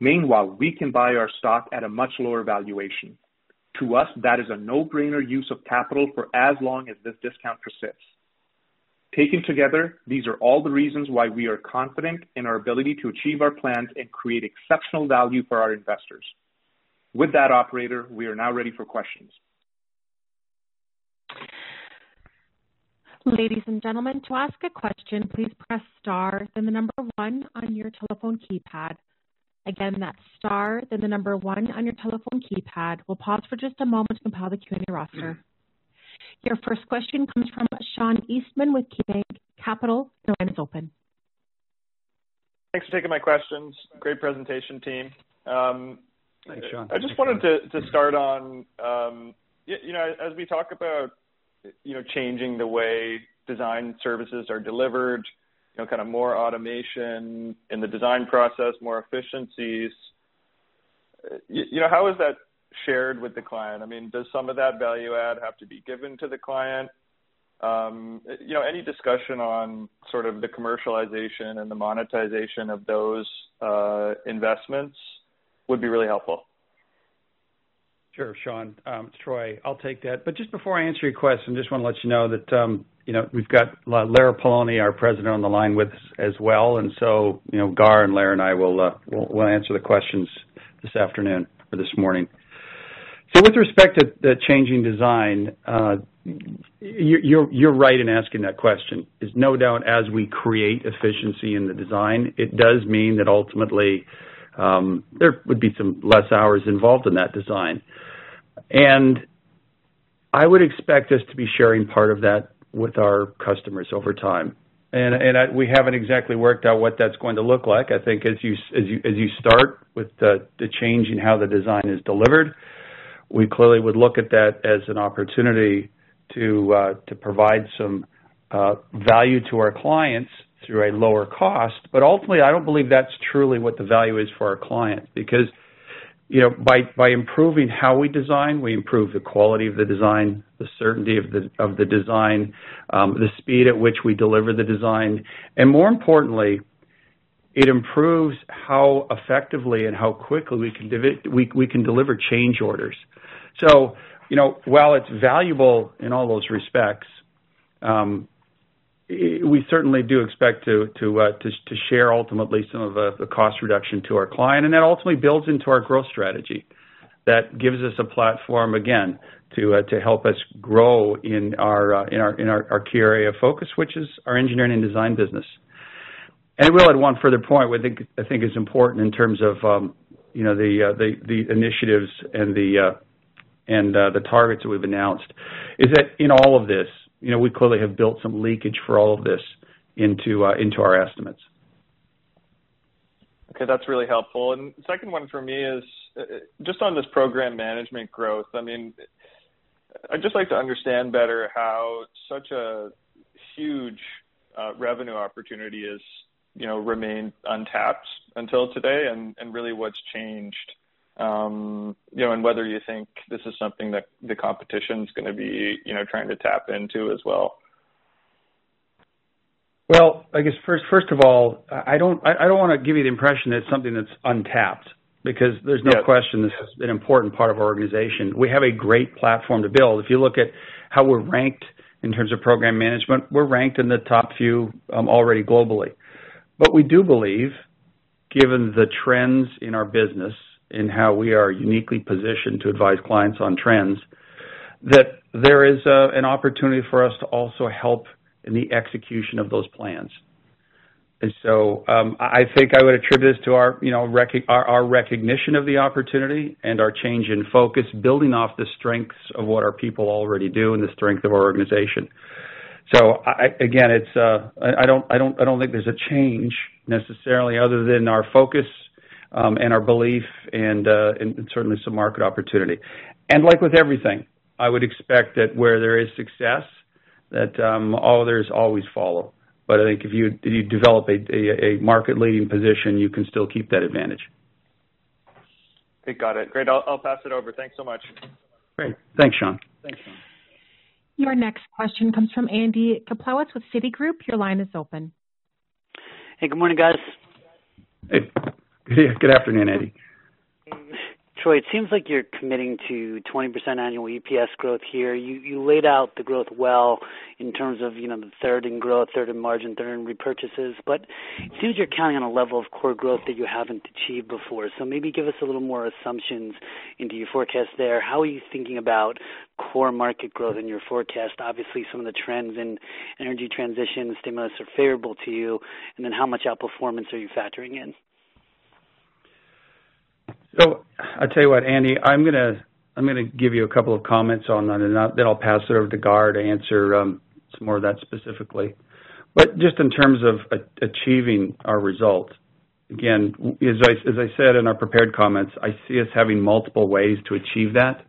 Meanwhile, we can buy our stock at a much lower valuation. To us, that is a no-brainer use of capital for as long as this discount persists. Taken together, these are all the reasons why we are confident in our ability to achieve our plans and create exceptional value for our investors. With that, operator, we are now ready for questions. Ladies and gentlemen. To ask a question, please press star then the number one on your telephone keypad again, star then the number one on your telephone keypad. We'll pause for just a moment to compile the Q&A roster. Your first question comes from Sean Eastman with KeyBanc Capital. Your line is open. Thanks for taking my questions. Great presentation, team. Thanks, Sean. I just wanted to start on, as we talk about changing the way design services are delivered, kind of more automation in the design process, more efficiencies, how is that shared with the client? Does some of that value add have to be given to the client? Any discussion on sort of the commercialization and the monetization of those investments would be really helpful. Sure, Sean. It's Troy. I'll take that. Just before I answer your question, I just want to let you know that we've got Lara Poloni, our President, on the line with us as well. Gaurav and Lara and I will answer the questions this afternoon or this morning. With respect to the changing design, you're right in asking that question. There's no doubt as we create efficiency in the design, it does mean that ultimately there would be some less hours involved in that design. I would expect us to be sharing part of that with our customers over time. We haven't exactly worked out what that's going to look like. I think as you start with the change in how the design is delivered, we clearly would look at that as an opportunity to provide some value to our clients through a lower cost. Ultimately, I don't believe that's truly what the value is for our client. By improving how we design, we improve the quality of the design, the certainty of the design, the speed at which we deliver the design, and more importantly. It improves how effectively and how quickly we can deliver change orders. While it's valuable in all those respects, we certainly do expect to share ultimately some of the cost reduction to our client, and that ultimately builds into our growth strategy. That gives us a platform, again, to help us grow in our key area of focus, which is our engineering and design business. I will add one further point, I think is important in terms of the initiatives and the targets we've announced is that in all of this, we clearly have built some leakage for all of this into our estimates. Okay, that's really helpful. Second one for me is just on this program management growth. I'd just like to understand better how such a huge revenue opportunity has remained untapped until today and really what's changed, and whether you think this is something that the competition's going to be trying to tap into as well. I guess first of all, I don't want to give you the impression it's something that's untapped because there's no question. Yeah This is an important part of our organization. We have a great platform to build. If you look at how we're ranked in terms of program management, we're ranked in the top few already globally. We do believe, given the trends in our business and how we are uniquely positioned to advise clients on trends, that there is an opportunity for us to also help in the execution of those plans. I think I would attribute this to our recognition of the opportunity and our change in focus, building off the strengths of what our people already do and the strength of our organization. Again, I don't think there's a change necessarily other than our focus, and our belief and certainly some market opportunity. Like with everything, I would expect that where there is success, that others always follow. I think if you develop a market-leading position, you can still keep that advantage. Okay, got it. Great. I'll pass it over. Thanks so much. Great. Thanks, Sean. Your next question comes from Andy Kaplowitz with Citigroup. Your line is open. Hey, good morning, guys. Hey. Good afternoon, Andy. Troy, it seems like you're committing to 20% annual EPS growth here. You laid out the growth well in terms of the third in growth, third in margin, third in repurchases. It seems you're counting on a level of core growth that you haven't achieved before. Maybe give us a little more assumptions into your forecast there. How are you thinking about core market growth in your forecast? Obviously, some of the trends in energy transition and stimulus are favorable to you, and then how much outperformance are you factoring in? I tell you what, Andy, I'm going to give you a couple of comments on that, and then I'll pass it over to Gaurav to answer some more of that specifically. Just in terms of achieving our results, again, as I said in our prepared comments, I see us having multiple ways to achieve that.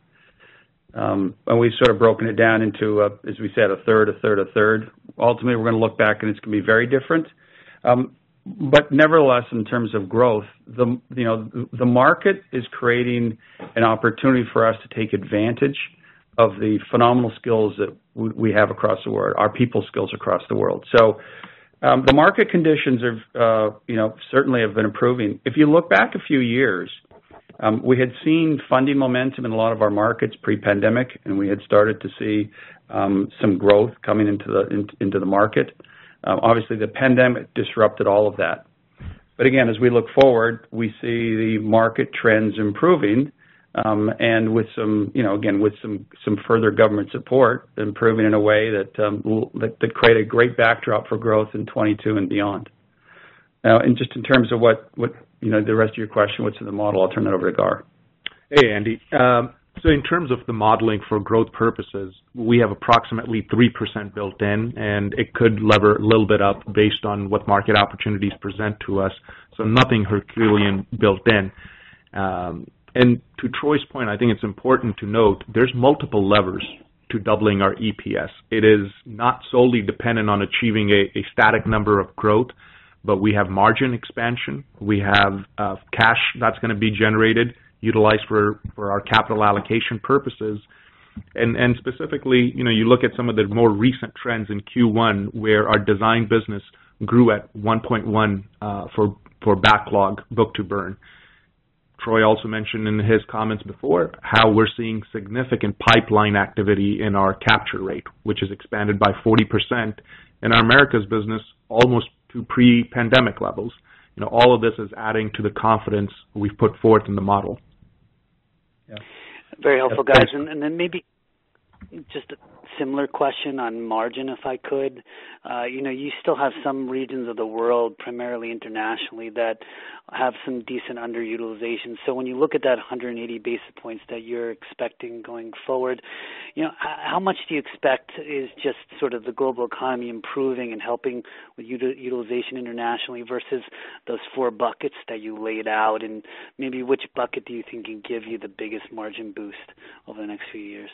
We've sort of broken it down into, as we said, a third, a third, a third. Ultimately, we're going to look back, and it's going to be very different. Nevertheless, in terms of growth, the market is creating an opportunity for us to take advantage of the phenomenal skills that we have across the world, our people skills across the world. The market conditions certainly have been improving. If you look back a few years, we had seen funding momentum in a lot of our markets pre-pandemic, and we had started to see some growth coming into the market. Obviously, the pandemic disrupted all of that. Again, as we look forward, we see the market trends improving, and again, with some further government support, improving in a way that will create a great backdrop for growth in 2022 and beyond. Just in terms of the rest of your question, what's in the model, I'll turn it over to Gaurav. Hey, Andy. In terms of the modeling for growth purposes, we have approximately 3% built in, and it could lever a little bit up based on what market opportunities present to us. Nothing Herculean built in. To Troy's point, I think it's important to note there's multiple levers to doubling our EPS. It is not solely dependent on achieving a static number of growth, but we have margin expansion, we have cash that's going to be generated, utilized for our capital allocation purposes. Specifically, you look at some of the more recent trends in Q1 where our design business grew at 1:1 for backlog book-to-bill. Troy also mentioned in his comments before how we're seeing significant pipeline activity in our capture rate, which has expanded by 40% in our Americas business almost to pre-pandemic levels. All of this is adding to the confidence we've put forth in the model. Very helpful, guys. Then maybe just a similar question on margin, if I could. You still have some regions of the world, primarily internationally, that have some decent underutilization. When you look at that 180 basis points that you're expecting going forward, how much do you expect is just sort of the global economy improving and helping with utilization internationally versus those four buckets that you laid out? Maybe which bucket do you think can give you the biggest margin boost over the next few years?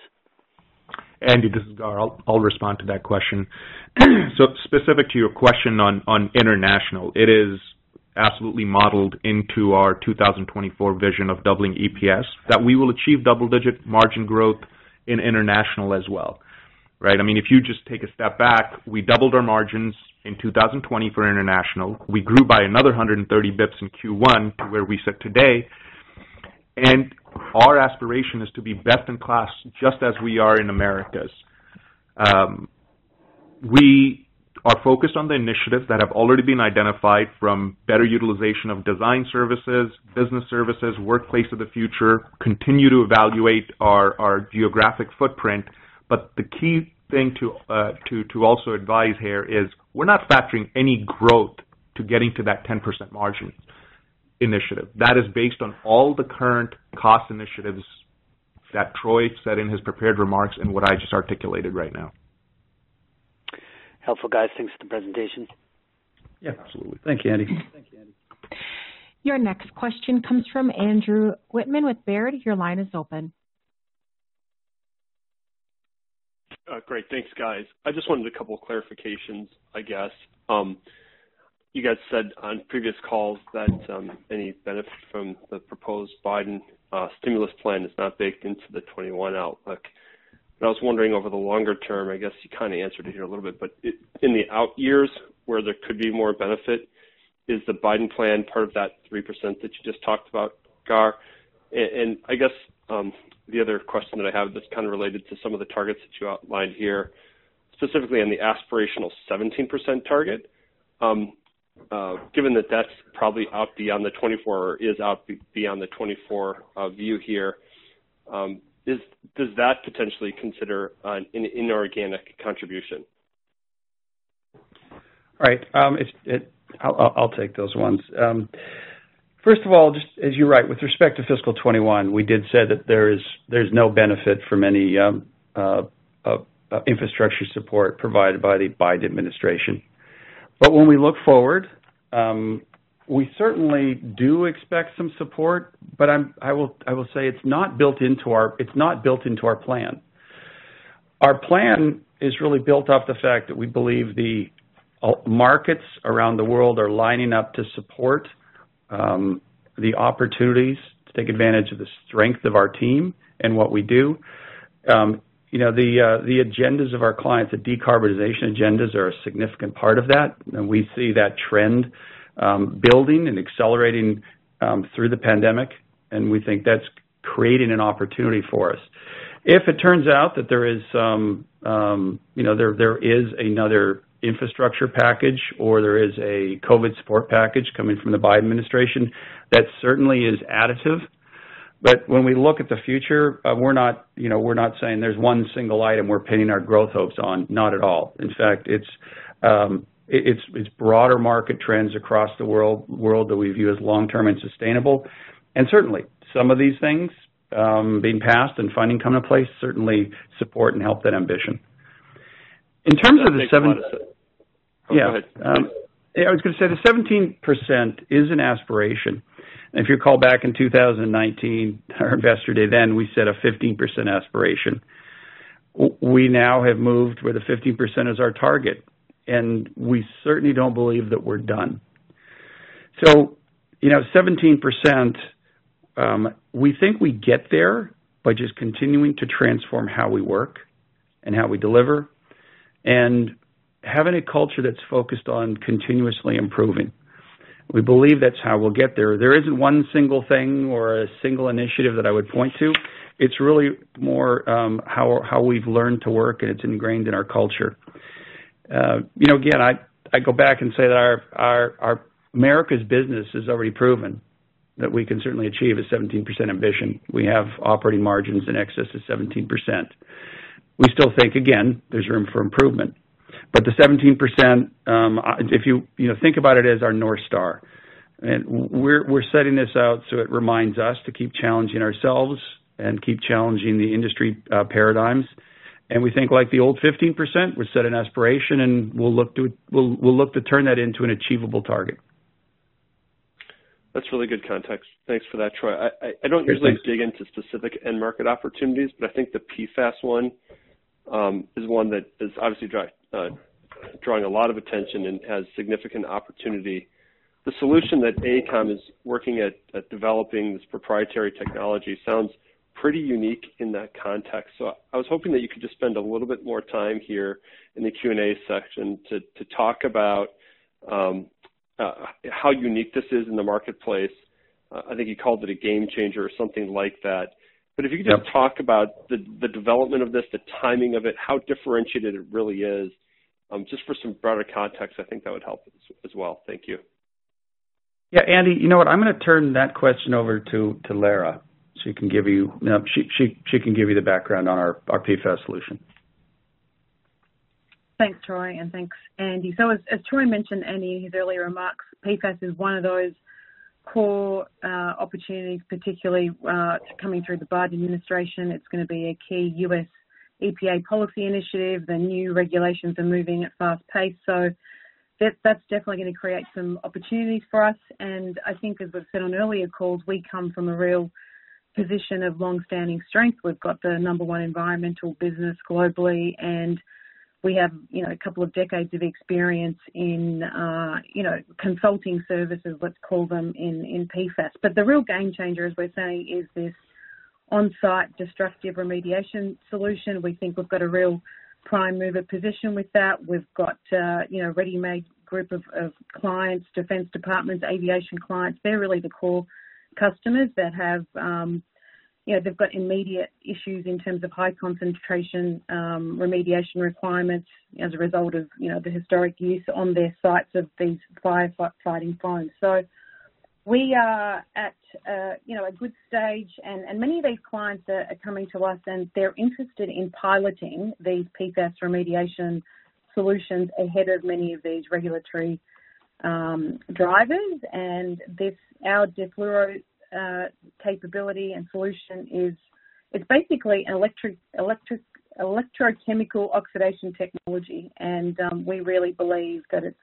Andy, this is Gaurav. I'll respond to that question. Specific to your question on international, it is absolutely modeled into our 2024 vision of doubling EPS, that we will achieve double-digit margin growth in international as well. Right. If you just take a step back, we doubled our margins in 2020 for international. We grew by another 130 basis points in Q1 to where we sit today, and our aspiration is to be best in class, just as we are in Americas. We are focused on the initiatives that have already been identified from better utilization of design services, business services, Workplace of the Future, continue to evaluate our geographic footprint. The key thing to also advise here is we're not factoring any growth to getting to that 10% margin initiative. That is based on all the current cost initiatives that Troy said in his prepared remarks and what I just articulated right now. Helpful, guys. Thanks for the presentation. Yeah, absolutely. Thank you, Andy. Your next question comes from Andrew Wittmann with Baird. Your line is open. Great. Thanks, guys. I just wanted a couple clarifications, I guess. You guys said on previous calls that any benefit from the proposed Biden stimulus plan is not baked into the 2021 outlook. I was wondering over the longer term, I guess you kind of answered it here a little bit, but in the out years where there could be more benefit, is the Biden plan part of that 3% that you just talked about, Gaurav? I guess the other question that I have that's kind of related to some of the targets that you outlined here, specifically on the aspirational 17% target. Given that that's probably out beyond the 2024 or is out beyond the 2024 view here, does that potentially consider an inorganic contribution? Right. I'll take those ones. First of all, you're right. With respect to fiscal 2021, we did say that there's no benefit from any infrastructure support provided by the Biden administration. When we look forward, we certainly do expect some support, I will say it's not built into our plan. Our plan is really built off the fact that we believe the markets around the world are lining up to support the opportunities to take advantage of the strength of our team and what we do. The agendas of our clients, the decarbonization agendas, are a significant part of that, and we see that trend building and accelerating through the pandemic, and we think that's creating an opportunity for us. If it turns out that there is another infrastructure package or there is a COVID support package coming from the Biden administration, that certainly is additive. When we look at the future, we're not saying there's one single item we're pinning our growth hopes on. Not at all. In fact, it's broader market trends across the world that we view as long-term and sustainable. Certainly, some of these things being passed and funding coming to place certainly support and help that ambition. That makes a lot of sense. Go ahead Yeah. I was going to say, the 17% is an aspiration. If you recall back in 2019, our Investor Day then, we set a 15% aspiration. We now have moved where the 15% is our target, and we certainly don't believe that we're done. 17%, we think we get there by just continuing to transform how we work and how we deliver and having a culture that's focused on continuously improving. We believe that's how we'll get there. There isn't one single thing or a single initiative that I would point to. It's really more how we've learned to work, and it's ingrained in our culture. Again, I go back and say that our Americas business has already proven that we can certainly achieve a 17% ambition. We have operating margins in excess of 17%. We still think, again, there's room for improvement. The 17%, if you think about it as our North Star, and we're setting this out so it reminds us to keep challenging ourselves and keep challenging the industry paradigms. We think, like the old 15%, we set an aspiration, and we'll look to turn that into an achievable target. That's really good context. Thanks for that, Troy. Yeah, thanks. I don't usually dig into specific end-market opportunities, but I think the PFAS one is one that is obviously drawing a lot of attention and has significant opportunity. The solution that AECOM is working at developing, this proprietary technology, sounds pretty unique in that context. I was hoping that you could just spend a little bit more time here in the Q&A section to talk about how unique this is in the marketplace. I think you called it a game changer or something like that. Yeah Talk about the development of this, the timing of it, how differentiated it really is. Just for some broader context, I think that would help as well. Thank you. Yeah, Andy, you know what? I'm going to turn that question over to Lara, she can give you the background on our PFAS solution. Thanks, Troy, and thanks, Andy. As Troy mentioned in his earlier remarks, PFAS is one of those core opportunities, particularly coming through the Biden administration. It's going to be a key U.S. EPA policy initiative. The new regulations are moving at a fast pace. That's definitely going to create some opportunities for us. I think as we've said on earlier calls, we come from a real position of longstanding strength. We've got the number one environmental business globally. We have a couple of decades of experience in consulting services, let's call them, in PFAS. The real game changer, as we're saying, is this on-site destructive remediation solution. We think we've got a real prime mover position with that. We've got a ready-made group of clients, defense departments, aviation clients. They're really the core customers that have immediate issues in terms of high concentration remediation requirements as a result of the historic use on their sites of these firefighting foams. We are at a good stage, and many of these clients are coming to us, and they're interested in piloting these PFAS remediation solutions ahead of many of these regulatory drivers. Our DE-FLUORO capability and solution is basically an electrochemical oxidation technology. We really believe that it's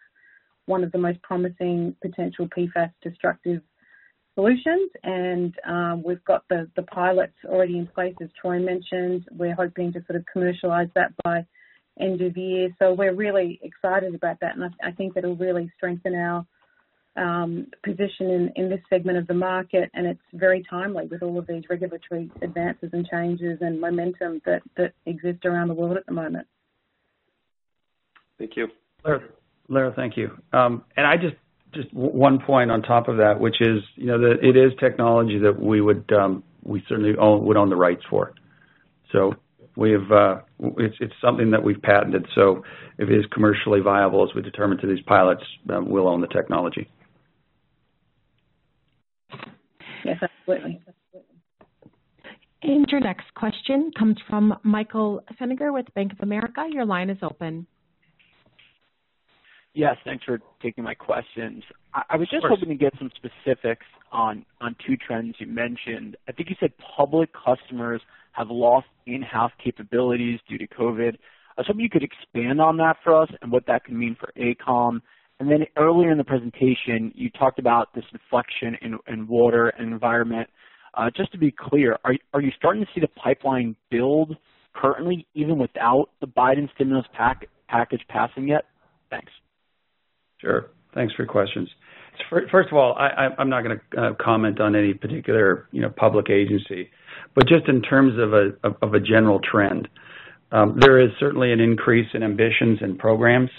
one of the most promising potential PFAS destructive solutions. We've got the pilots already in place, as Troy mentioned. We're hoping to sort of commercialize that by end of year. We're really excited about that, and I think it'll really strengthen our position in this segment of the market, and it's very timely with all of these regulatory advances and changes and momentum that exist around the world at the moment. Thank you. Lara, thank you. Just one point on top of that, which is that it is technology that we certainly would own the rights for. It's something that we've patented. If it is commercially viable as we determine through these pilots, we'll own the technology. Yes, absolutely. Your next question comes from Michael Feniger with Bank of America. Your line is open. Yes, thanks for taking my questions. Of course. I was just hoping to get some specifics on two trends you mentioned. I think you said public customers have lost in-house capabilities due to COVID. I was hoping you could expand on that for us and what that can mean for AECOM. Earlier in the presentation, you talked about this inflection in water and environment. Just to be clear, are you starting to see the pipeline build currently, even without the Biden stimulus package passing yet? Thanks. Sure. Thanks for your questions. First of all, I'm not going to comment on any particular public agency. Just in terms of a general trend, there is certainly an increase in ambitions and programs.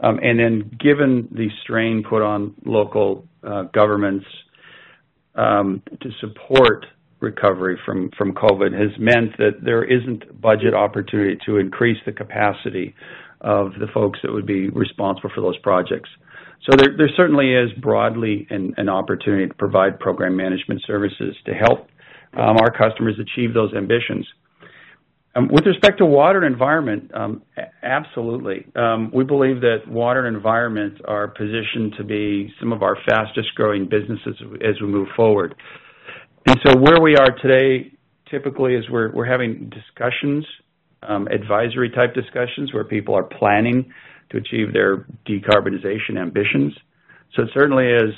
Given the strain put on local governments to support recovery from COVID, has meant that there isn't budget opportunity to increase the capacity of the folks that would be responsible for those projects. There certainly is broadly an opportunity to provide program management services to help our customers achieve those ambitions. With respect to water and environment, absolutely. We believe that water and environments are positioned to be some of our fastest-growing businesses as we move forward. Where we are today, typically, is we're having discussions, advisory-type discussions, where people are planning to achieve their decarbonization ambitions. It certainly is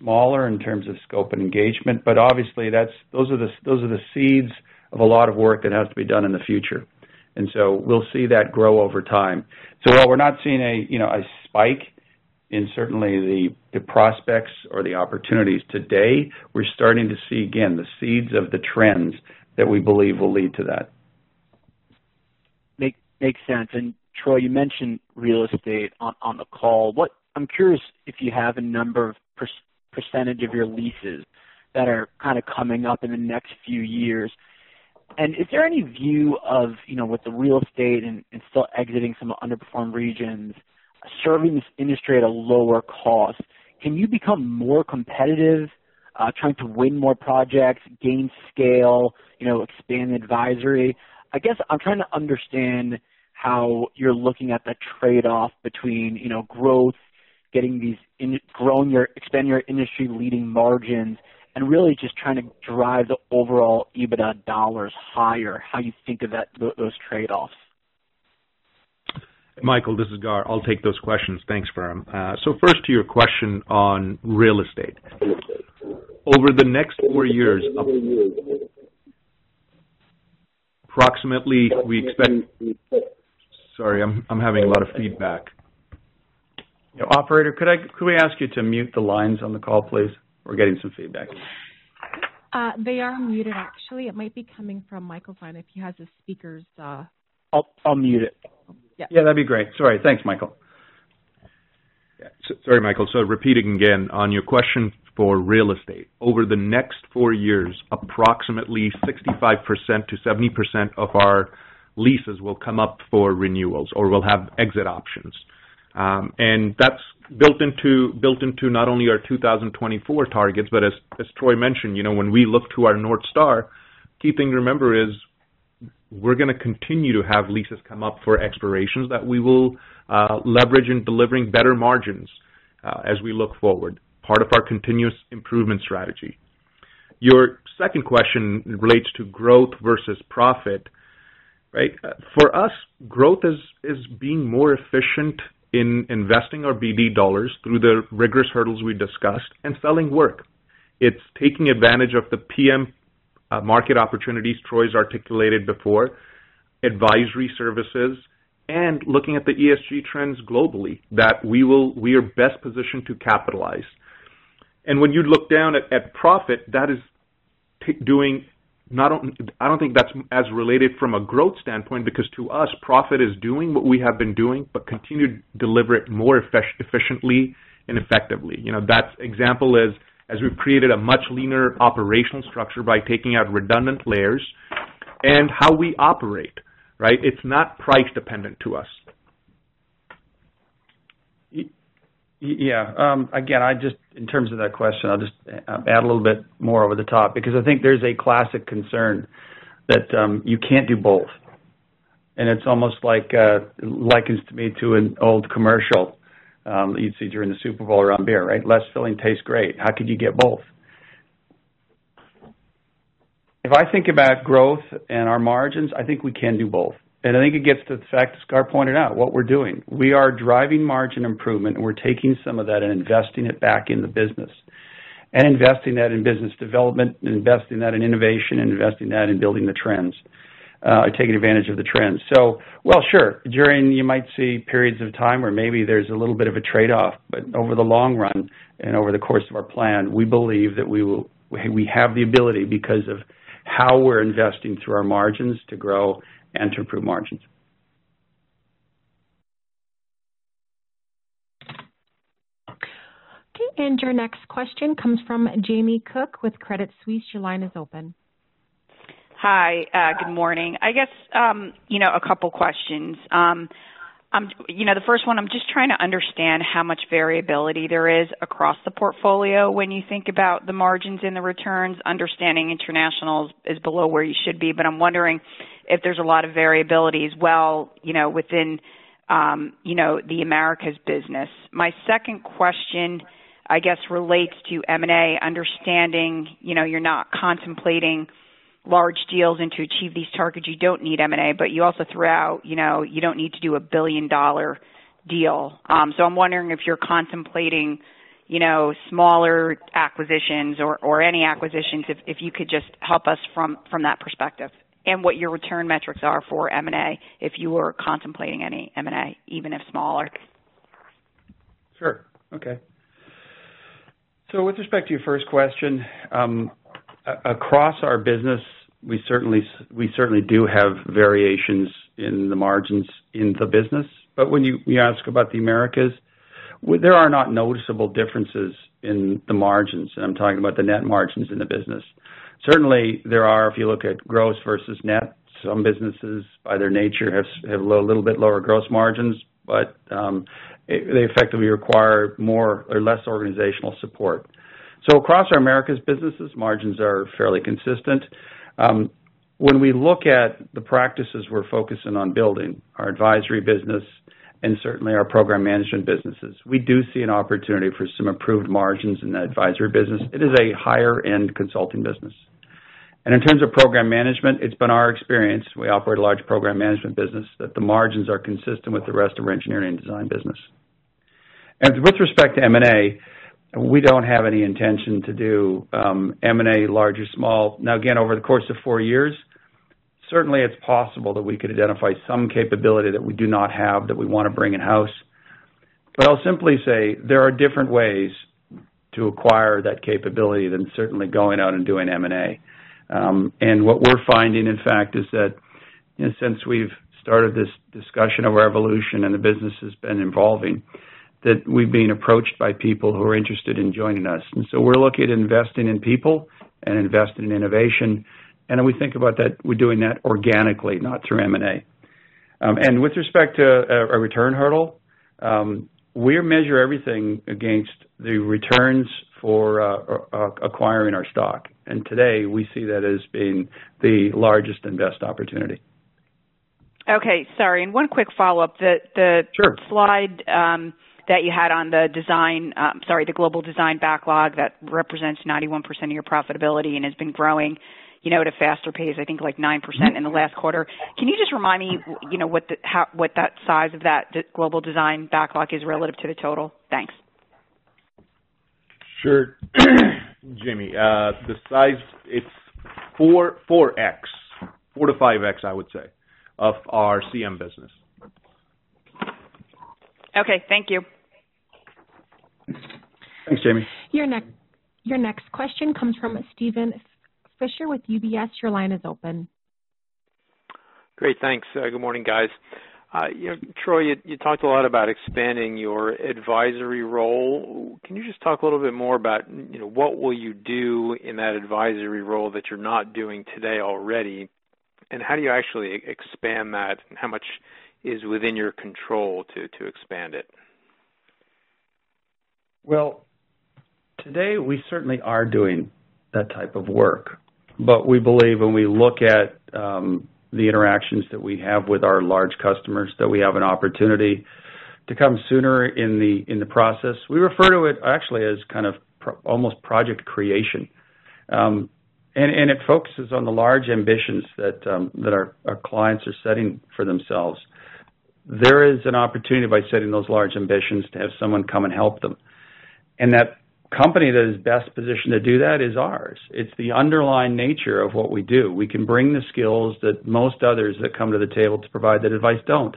smaller in terms of scope and engagement, but obviously those are the seeds of a lot of work that has to be done in the future. We'll see that grow over time. While we're not seeing a spike in certainly the prospects or the opportunities today, we're starting to see, again, the seeds of the trends that we believe will lead to that. Makes sense. Troy, you mentioned real estate on the call. I'm curious if you have a number of percentage of your leases that are kind of coming up in the next few years. Is there any view of, with the real estate and still exiting some underperformed regions, serving this industry at a lower cost, can you become more competitive, trying to win more projects, gain scale, expand advisory? I guess I'm trying to understand how you're looking at the trade-off between growth, expanding your industry-leading margins, and really just trying to drive the overall EBITDA dollars higher, how you think of those trade-offs. Michael, this is Gaurav. I'll take those questions. Thanks for them. First to your question on real estate. Over the next four years, approximately. Sorry, I'm having a lot of feedback. Operator, could we ask you to mute the lines on the call, please? We're getting some feedback. They are muted, actually. It might be coming from Michael's line, if he has his speakers- I'll mute it. Yeah. Yeah, that'd be great. Sorry. Thanks, Michael. Yeah. Sorry, Michael. Repeating again on your question for real estate. Over the next four years, approximately 65%-70% of our leases will come up for renewals, or we'll have exit options. That's built into not only our 2024 targets, but as Troy mentioned, when we look to our North Star, key thing to remember is we're going to continue to have leases come up for expirations that we will leverage in delivering better margins as we look forward. Part of our continuous improvement strategy. Your second question relates to growth versus profit, right? For us, growth is being more efficient in investing our BD dollars through the rigorous hurdles we discussed and selling work. It's taking advantage of the PM market opportunities Troy's articulated before, advisory services, and looking at the ESG trends globally that we are best positioned to capitalize. When you look down at profit, I don't think that's as related from a growth standpoint, because to us, profit is doing what we have been doing, but continue to deliver it more efficiently and effectively. That example is, as we've created a much leaner operational structure by taking out redundant layers and how we operate, right? It's not price dependent to us. Yeah. Again, in terms of that question, I'll just add a little bit more over the top, because I think there's a classic concern that you can't do both. It's almost like likens to me to an old commercial you'd see during the Super Bowl around beer, right? Less filling, tastes great. How could you get both? If I think about growth and our margins, I think we can do both. I think it gets to the fact, as Gaurav pointed out, what we're doing. We are driving margin improvement, and we're taking some of that and investing it back in the business, and investing that in business development, and investing that in innovation, and investing that in building the trends, taking advantage of the trends. Well sure, during you might see periods of time where maybe there's a little bit of a trade-off, but over the long run and over the course of our plan, we believe that we have the ability because of how we're investing through our margins to grow and to improve margins. Okay. Your next question comes from Jamie Cook with Credit Suisse. Your line is open. Hi. Good morning. I guess, a couple questions. The first one, I'm just trying to understand how much variability there is across the portfolio when you think about the margins and the returns. Understanding international is below where you should be, but I'm wondering if there's a lot of variability as well within the Americas business. My second question, I guess relates to M&A, understanding you're not contemplating large deals, and to achieve these targets, you don't need M&A, but you also threw out, you don't need to do a billion-dollar deal. I'm wondering if you're contemplating smaller acquisitions or any acquisitions, if you could just help us from that perspective and what your return metrics are for M&A, if you are contemplating any M&A, even if smaller. Sure. Okay. With respect to your first question, across our business, we certainly do have variations in the margins in the business. When you ask about the Americas, there are not noticeable differences in the margins, and I'm talking about the net margins in the business. Certainly, there are, if you look at gross versus net. Some businesses, by their nature, have a little bit lower gross margins, but they effectively require less organizational support. Across our Americas businesses, margins are fairly consistent. When we look at the practices we're focusing on building, our advisory business and certainly our Program Management businesses, we do see an opportunity for some improved margins in the advisory business. It is a higher-end consulting business. In terms of program management, it's been our experience, we operate a large program management business, that the margins are consistent with the rest of our engineering and design business. With respect to M&A, we don't have any intention to do M&A, large or small. Now again, over the course of four years, certainly it's possible that we could identify some capability that we do not have that we want to bring in-house. I'll simply say there are different ways to acquire that capability than certainly going out and doing M&A. What we're finding, in fact, is that since we've started this discussion of our evolution and the business has been evolving, that we've been approached by people who are interested in joining us. We're looking at investing in people and investing in innovation, and when we think about that, we're doing that organically, not through M&A. With respect to our return hurdle, we measure everything against the returns for acquiring our stock, and today we see that as being the largest and best opportunity. Okay. Sorry, one quick follow-up. Sure. The slide that you had on the global design backlog that represents 91% of your profitability and has been growing at a faster pace, I think like 9% in the last quarter. Can you just remind me what that size of that global design backlog is relative to the total? Thanks. Sure Jamie. The size, it's 4x-5x, I would say, of our CM business. Okay. Thank you. Thanks, Jamie. Your next question comes from Steven Fisher with UBS. Your line is open. Great. Thanks. Good morning, guys. Troy, you talked a lot about expanding your advisory role. Can you just talk a little bit more about what will you do in that advisory role that you're not doing today already, and how do you actually expand that, and how much is within your control to expand it? Well, today we certainly are doing that type of work, but we believe when we look at the interactions that we have with our large customers, that we have an opportunity to come sooner in the process. We refer to it actually as kind of almost project creation. It focuses on the large ambitions that our clients are setting for themselves. There is an opportunity by setting those large ambitions to have someone come and help them. That company that is best positioned to do that is ours. It's the underlying nature of what we do. We can bring the skills that most others that come to the table to provide that advice don't.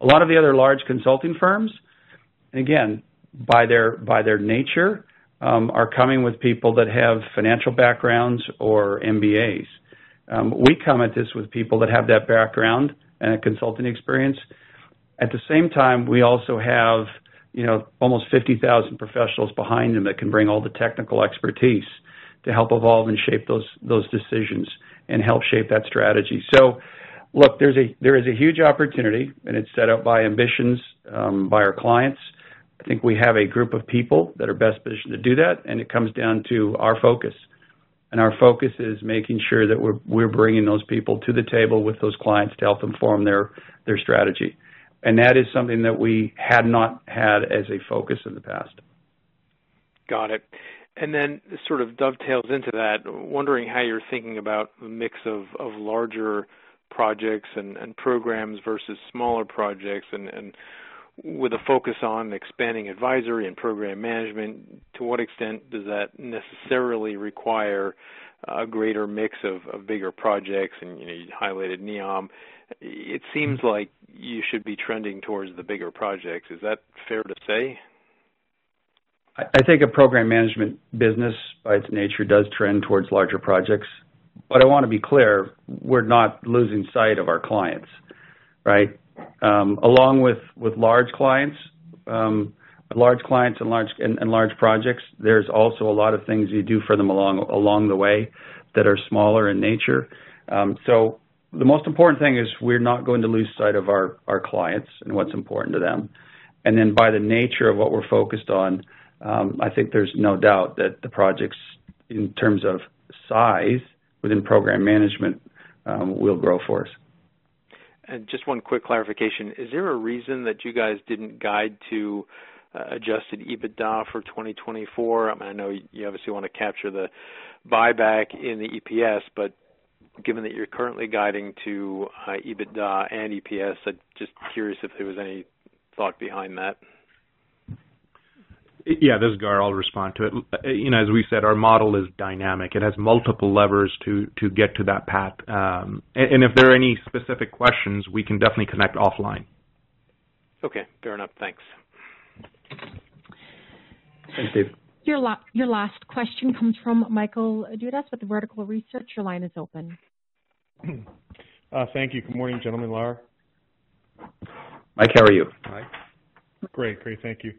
A lot of the other large consulting firms, and again, by their nature, are coming with people that have financial backgrounds or MBAs. We come at this with people that have that background and a consulting experience. At the same time, we also have almost 50,000 professionals behind them that can bring all the technical expertise to help evolve and shape those decisions and help shape that strategy. Look, there is a huge opportunity, and it's set up by ambitions by our clients. I think we have a group of people that are best positioned to do that, and it comes down to our focus. Our focus is making sure that we're bringing those people to the table with those clients to help them form their strategy. That is something that we had not had as a focus in the past. Got it. This sort of dovetails into that. Wondering how you're thinking about the mix of larger projects and programs versus smaller projects and with a focus on expanding advisory and program management, to what extent does that necessarily require a greater mix of bigger projects? You highlighted NEOM. It seems like you should be trending towards the bigger projects. Is that fair to say? I think a program management business, by its nature, does trend towards larger projects. I want to be clear, we're not losing sight of our clients, right? Along with large clients and large projects, there's also a lot of things you do for them along the way that are smaller in nature. The most important thing is we're not going to lose sight of our clients and what's important to them. By the nature of what we're focused on, I think there's no doubt that the projects, in terms of size within program management, will grow for us. Just one quick clarification. Is there a reason that you guys didn't guide to adjusted EBITDA for 2024? I know you obviously want to capture the buyback in the EPS, but given that you're currently guiding to high EBITDA and EPS, I'm just curious if there was any thought behind that. Yeah. This is Gaurav. I'll respond to it. As we said, our model is dynamic. It has multiple levers to get to that path. If there are any specific questions, we can definitely connect offline. Okay. Fair enough. Thanks. Thanks, David. Your last question comes from Michael Dudas with Vertical Research. Your line is open. Thank you. Good morning, gentlemen, Lara. Michael, how are you? Great. Thank you.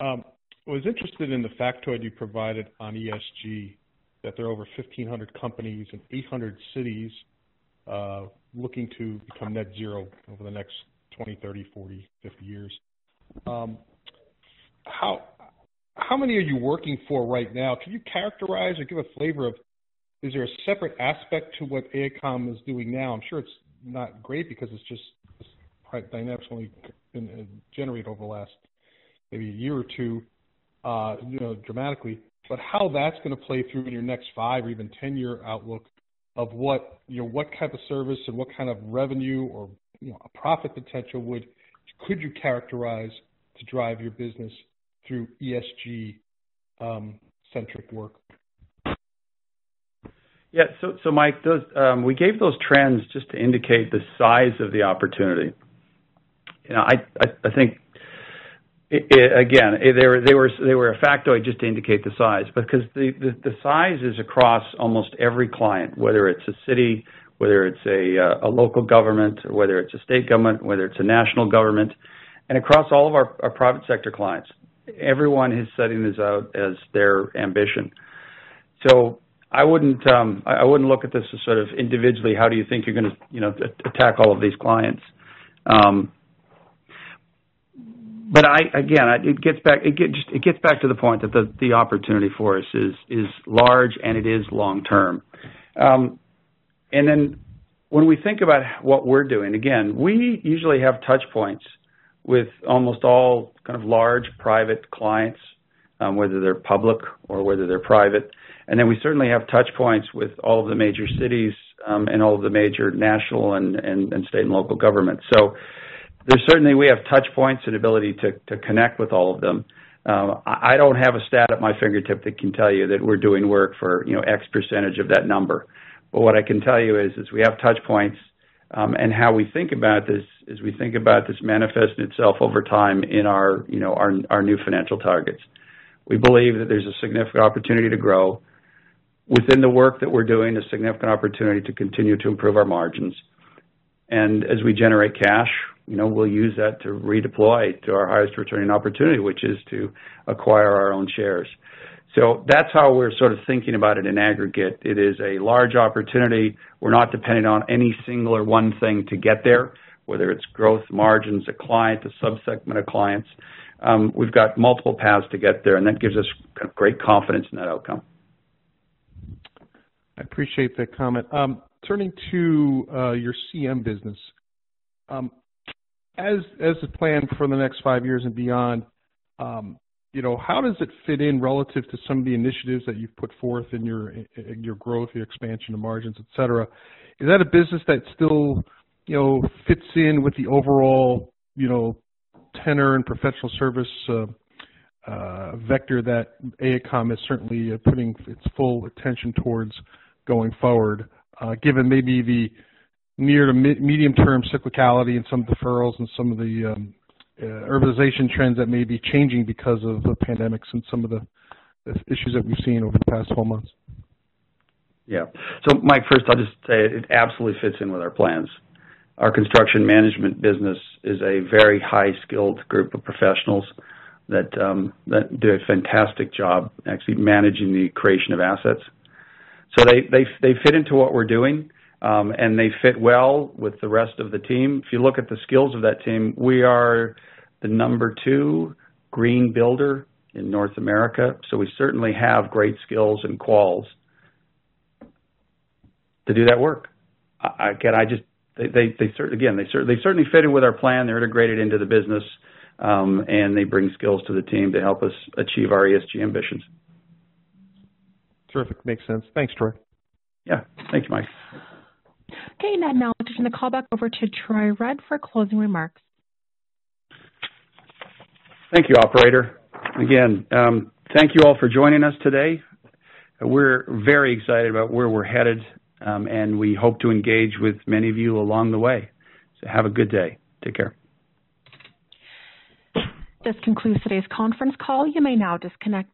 I was interested in the factoid you provided on ESG, that there are over 1,500 companies and 800 cities looking to become net zero over the next 20, 30, 40, 50 years. How many are you working for right now? Can you characterize or give a flavor of, is there a separate aspect to what AECOM is doing now? I'm sure it's not great because it's just quite dynamically been generated over the last maybe year or two dramatically. How that's going to play through in your next five or even 10-year outlook of what type of service and what kind of revenue or profit potential could you characterize to drive your business through ESG-centric work? Yeah. Michael, we gave those trends just to indicate the size of the opportunity. I think, again, they were a factoid just to indicate the size. The size is across almost every client, whether it's a city, whether it's a local government, whether it's a state government, whether it's a national government, and across all of our private sector clients. Everyone is setting this out as their ambition. I wouldn't look at this as sort of individually, how do you think you're going to attack all of these clients? Again, it gets back to the point that the opportunity for us is large, and it is long-term. When we think about what we're doing, again, we usually have touch points with almost all kind of large private clients, whether they're public or whether they're private. We certainly have touch points with all of the major cities, and all of the major national and state and local governments. Certainly, we have touch points and ability to connect with all of them. I don't have a stat at my fingertip that can tell you that we're doing work for X% of that number. What I can tell you is, we have touch points. How we think about this is we think about this manifesting itself over time in our new financial targets. We believe that there's a significant opportunity to grow within the work that we're doing, a significant opportunity to continue to improve our margins. As we generate cash, we'll use that to redeploy to our highest returning opportunity, which is to acquire our own shares. That's how we're sort of thinking about it in aggregate. It is a large opportunity. We're not dependent on any singular one thing to get there, whether it's growth margins, a client, a sub-segment of clients. We've got multiple paths to get there, and that gives us great confidence in that outcome. I appreciate that comment. Turning to your CM business. As the plan for the next five years and beyond, how does it fit in relative to some of the initiatives that you've put forth in your growth, your expansion of margins, et cetera? Is that a business that still fits in with the overall tenor and professional service vector that AECOM is certainly putting its full attention towards going forward, given maybe the near to medium-term cyclicality and some deferrals and some of the urbanization trends that may be changing because of the pandemic and some of the issues that we've seen over the past 12 months? Yeah. Michael, first, I'll just say it absolutely fits in with our plans. Our construction management business is a very high-skilled group of professionals that do a fantastic job actually managing the creation of assets. They fit into what we're doing, and they fit well with the rest of the team. If you look at the skills of that team, we are the number two green builder in North America, so we certainly have great skills and quals to do that work. Again, they certainly fit in with our plan. They're integrated into the business, and they bring skills to the team to help us achieve our ESG ambitions. Terrific. Makes sense. Thanks, Troy. Yeah. Thank you, Michael. Okay. I'd now turn the call back over to Troy Rudd for closing remarks. Thank you, operator. Thank you all for joining us today. We're very excited about where we're headed, and we hope to engage with many of you along the way. Have a good day. Take care. This concludes today's conference call. You may now disconnect.